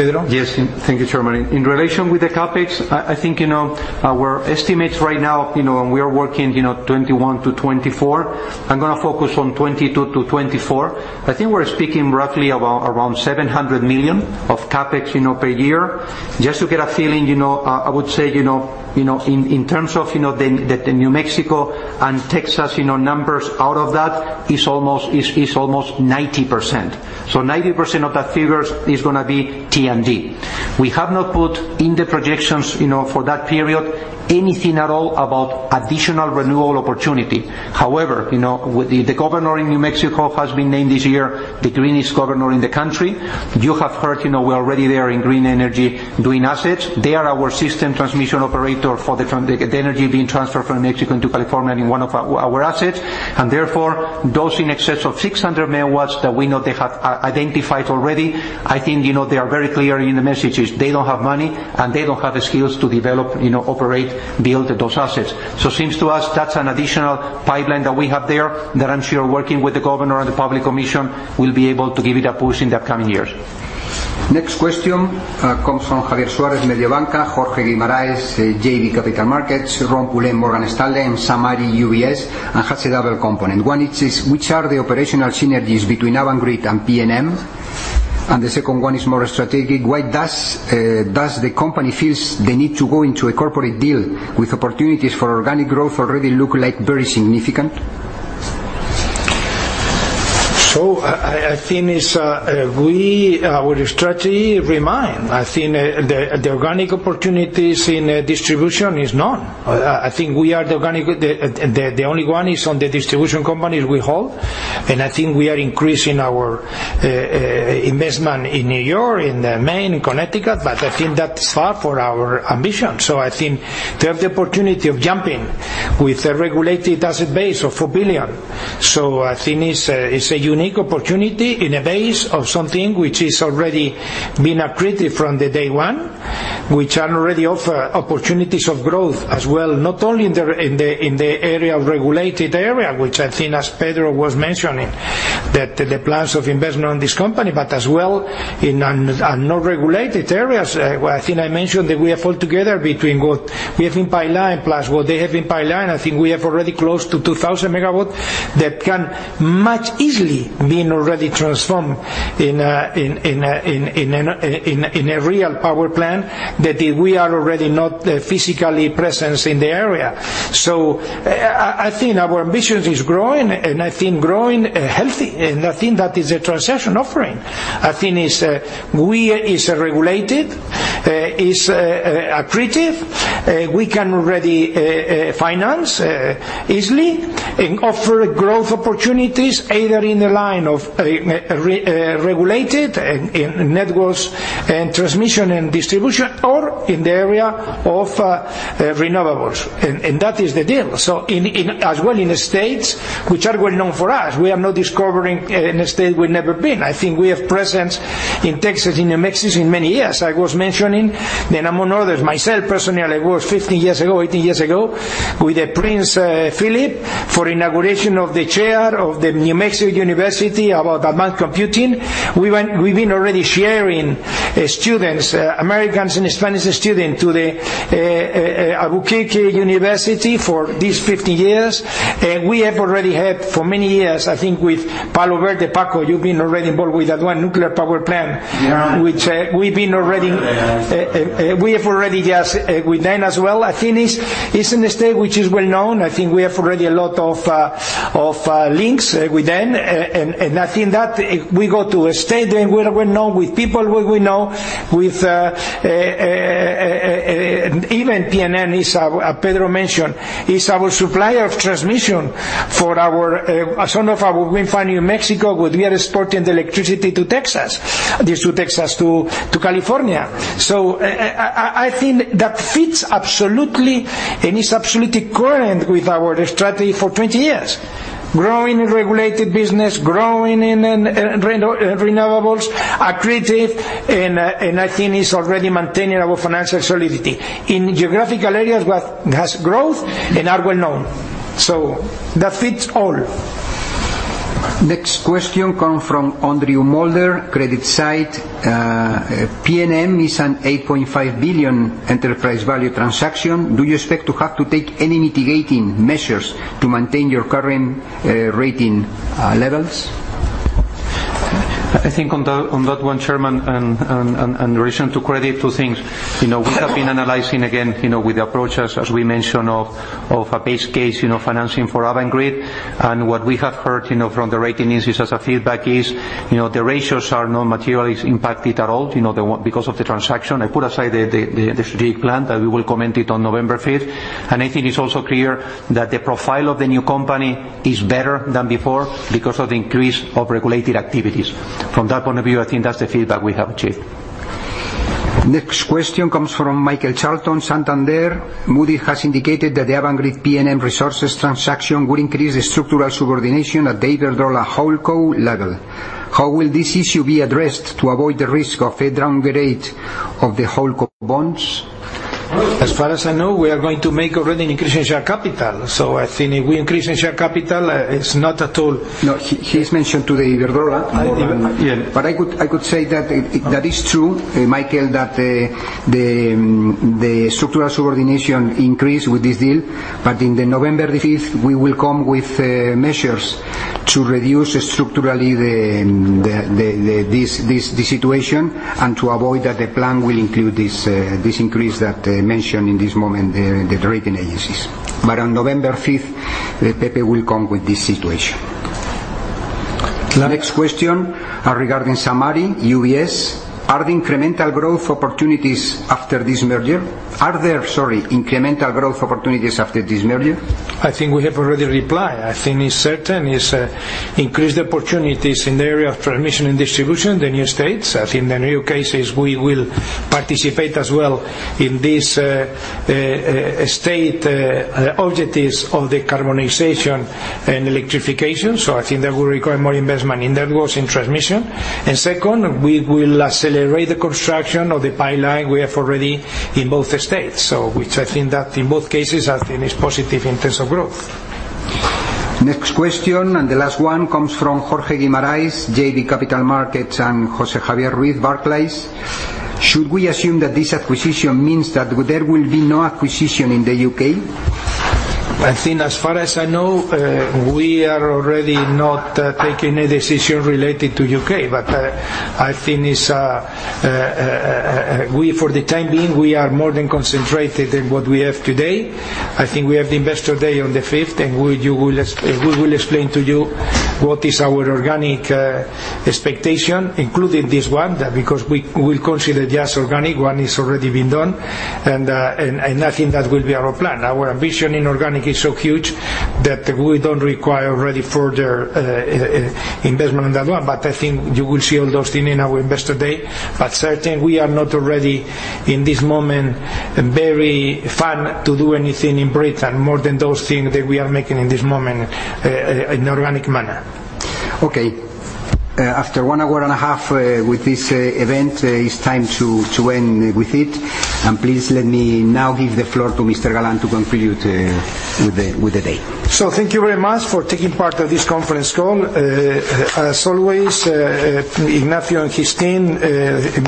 Yes. Thank you, Chairman. In relation with the CapEx, I think our estimates right now, and we are working 2021-2024. I'm going to focus on 2022-2024. I think we're speaking roughly around $700 million of CapEx per year. Just to get a feeling, I would say, in terms of the New Mexico and Texas numbers out of that is almost 90%. 90% of that figure is going to be T&D. We have not put in the projections for that period anything at all about additional renewable opportunity. However, the governor in New Mexico has been named this year the greenest governor in the country. You have heard, we are already there in green energy doing assets. They are our system transmission operator for the energy being transferred from New Mexico into California in one of our assets, and therefore, those in excess of 600 MW that we know they have identified already. I think they are very clear in the messages. They don't have money, and they don't have the skills to develop, operate, build those assets. Seems to us that's an additional pipeline that we have there that I'm sure working with the governor and the public commission will be able to give it a push in the upcoming years. Next question comes from Javier Suarez, Mediobanca; Jorge Guimaraes, JB Capital Markets; Rob Pulleyn, Morgan Stanley, and Sam Arie, UBS, and has a double component. One, it is, which are the operational synergies between Avangrid and PNM? The second one is more strategic. Why does the company feel they need to go into a corporate deal with opportunities for organic growth already look like very significant? Our strategy remain. The organic opportunities in distribution is none. We are the only one is on the distribution companies we hold, and we are increasing our investment in New York, in Maine, in Connecticut, but that's far for our ambition. To have the opportunity of jumping with a regulated asset base of $4 billion. It's a unique opportunity in a base of something which is already been accretive from the day one, which already offer opportunities of growth as well, not only in the regulated area, which as Pedro was mentioning, that the plans of investment on this company, but as well in non-regulated areas. I think I mentioned that we have altogether between what we have in pipeline plus what they have in pipeline, I think we have already close to 2,000 MW that can much easily been already transformed in a real power plant that we are already not physically present in the area. I think our ambition is growing and I think growing healthy, and I think that is a transition offering. I think it's regulated, it's accretive. We can already finance easily and offer growth opportunities either in the line of regulated networks and transmission and distribution or in the area of renewables, and that is the deal. As well in the states which are well-known for us. We are not discovering in a state we've never been. I think we have presence in Texas, in New Mexico in many years. I was mentioning, among others, myself personally, I was 15 years ago, 18 years ago, with Prince Felipe for inauguration of the chair of the University of New Mexico about advanced computing. We've been already sharing students, Americans and Spanish students, to the Albuquerque University for these 15 years. We have already had for many years, I think with Palo Verde, Paco, you've been already involved with that one nuclear power plant. We have already just with them as well. I think it's in the state which is well-known. I think we have already a lot of links with them, and I think that we go to a state where we're known, with people who we know, with even PNM, as Pedro mentioned, is our supplier of transmission for some of our wind farm in New Mexico, where we are exporting the electricity to Texas. This to Texas to California. I think that fits absolutely and is absolutely current with our strategy for 20 years. Growing in regulated business, growing in renewables, accretive, and I think it's already maintaining our financial solidity in geographical areas where it has growth and are well-known. That fits all. Next question comes from Andrew Moulder, CreditSights. PNM is an $8.5 billion enterprise value transaction. Do you expect to have to take any mitigating measures to maintain your current rating levels? I think on that one, Chairman. In relation to credit, two things. We have been analyzing again with the approaches, as we mentioned, of a base case financing for Avangrid. What we have heard from the rating agencies as a feedback is, the ratios are not materially impacted at all because of the transaction. I put aside the strategic plan that we will comment on November 5th. I think it's also clear that the profile of the new company is better than before because of the increase of regulated activities. From that point of view, I think that's the feedback we have achieved. Next question comes from Michael Charlton, Santander. Moody's has indicated that the Avangrid PNM Resources transaction would increase the structural subordination at the Iberdrola HoldCo level. How will this issue be addressed to avoid the risk of a downgrade of the HoldCo bonds? As far as I know, we are going to make already an increase in share capital. I think if we increase in share capital, it's not at all. No, he's mentioned to Iberdrola. Iberdrola. I could say that it is true, Michael, that the structural subordination increased with this deal. On November 5th, we will come with measures to reduce structurally this situation and to avoid that the plan will include this increase that they mentioned at this moment, the rating agencies. On November 5th, Pepe will come with this situation. Next question regarding Sam Arie, UBS. Are there incremental growth opportunities after this merger? I think we have already replied. I think it's certain, it's increased opportunities in the area of transmission and distribution in the new states. I think in the new cases, we will participate as well in these state objectives of decarbonization and electrification. I think that will require more investment in networks, in transmission. Second, we will accelerate the construction of the pipeline we have already in both states. Which I think that in both cases, I think it's positive in terms of growth. Next question, the last one, comes from Jorge Guimaraes, JB Capital Markets, and Jose Javier Ruiz, Barclays. Should we assume that this acquisition means that there will be no acquisition in the U.K.? I think as far as I know, we are already not taking any decision related to U.K. I think for the time being, we are more than concentrated in what we have today. I think we have the investor day on the fifth, and we will explain to you what is our organic expectation, including this one, because we'll consider just organic one it's already been done. I think that will be our plan. Our ambition in organic is so huge that we don't require already further investment on that one. I think you will see all those things in our Investor Day. Certainly, we are not already in this moment very fond to do anything in Britain more than those things that we are making in this moment in an organic manner. Okay. After one hour and a half with this event, it's time to end with it. Please let me now give the floor to Mr. Galán to conclude with the day. Thank you very much for taking part in this conference call. As always, Ignacio and his team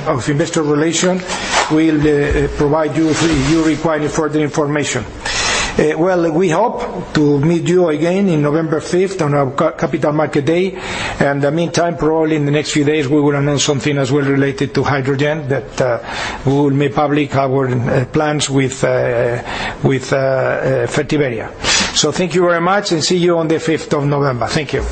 of investor relations will provide you if you require further information. Well, we hope to meet you again on November 5th on our Capital Market Day. In the meantime, probably in the next few days, we will announce something as well related to hydrogen, that we will make public our plans with Fertiberia. Thank you very much, and see you on the 5th of November. Thank you.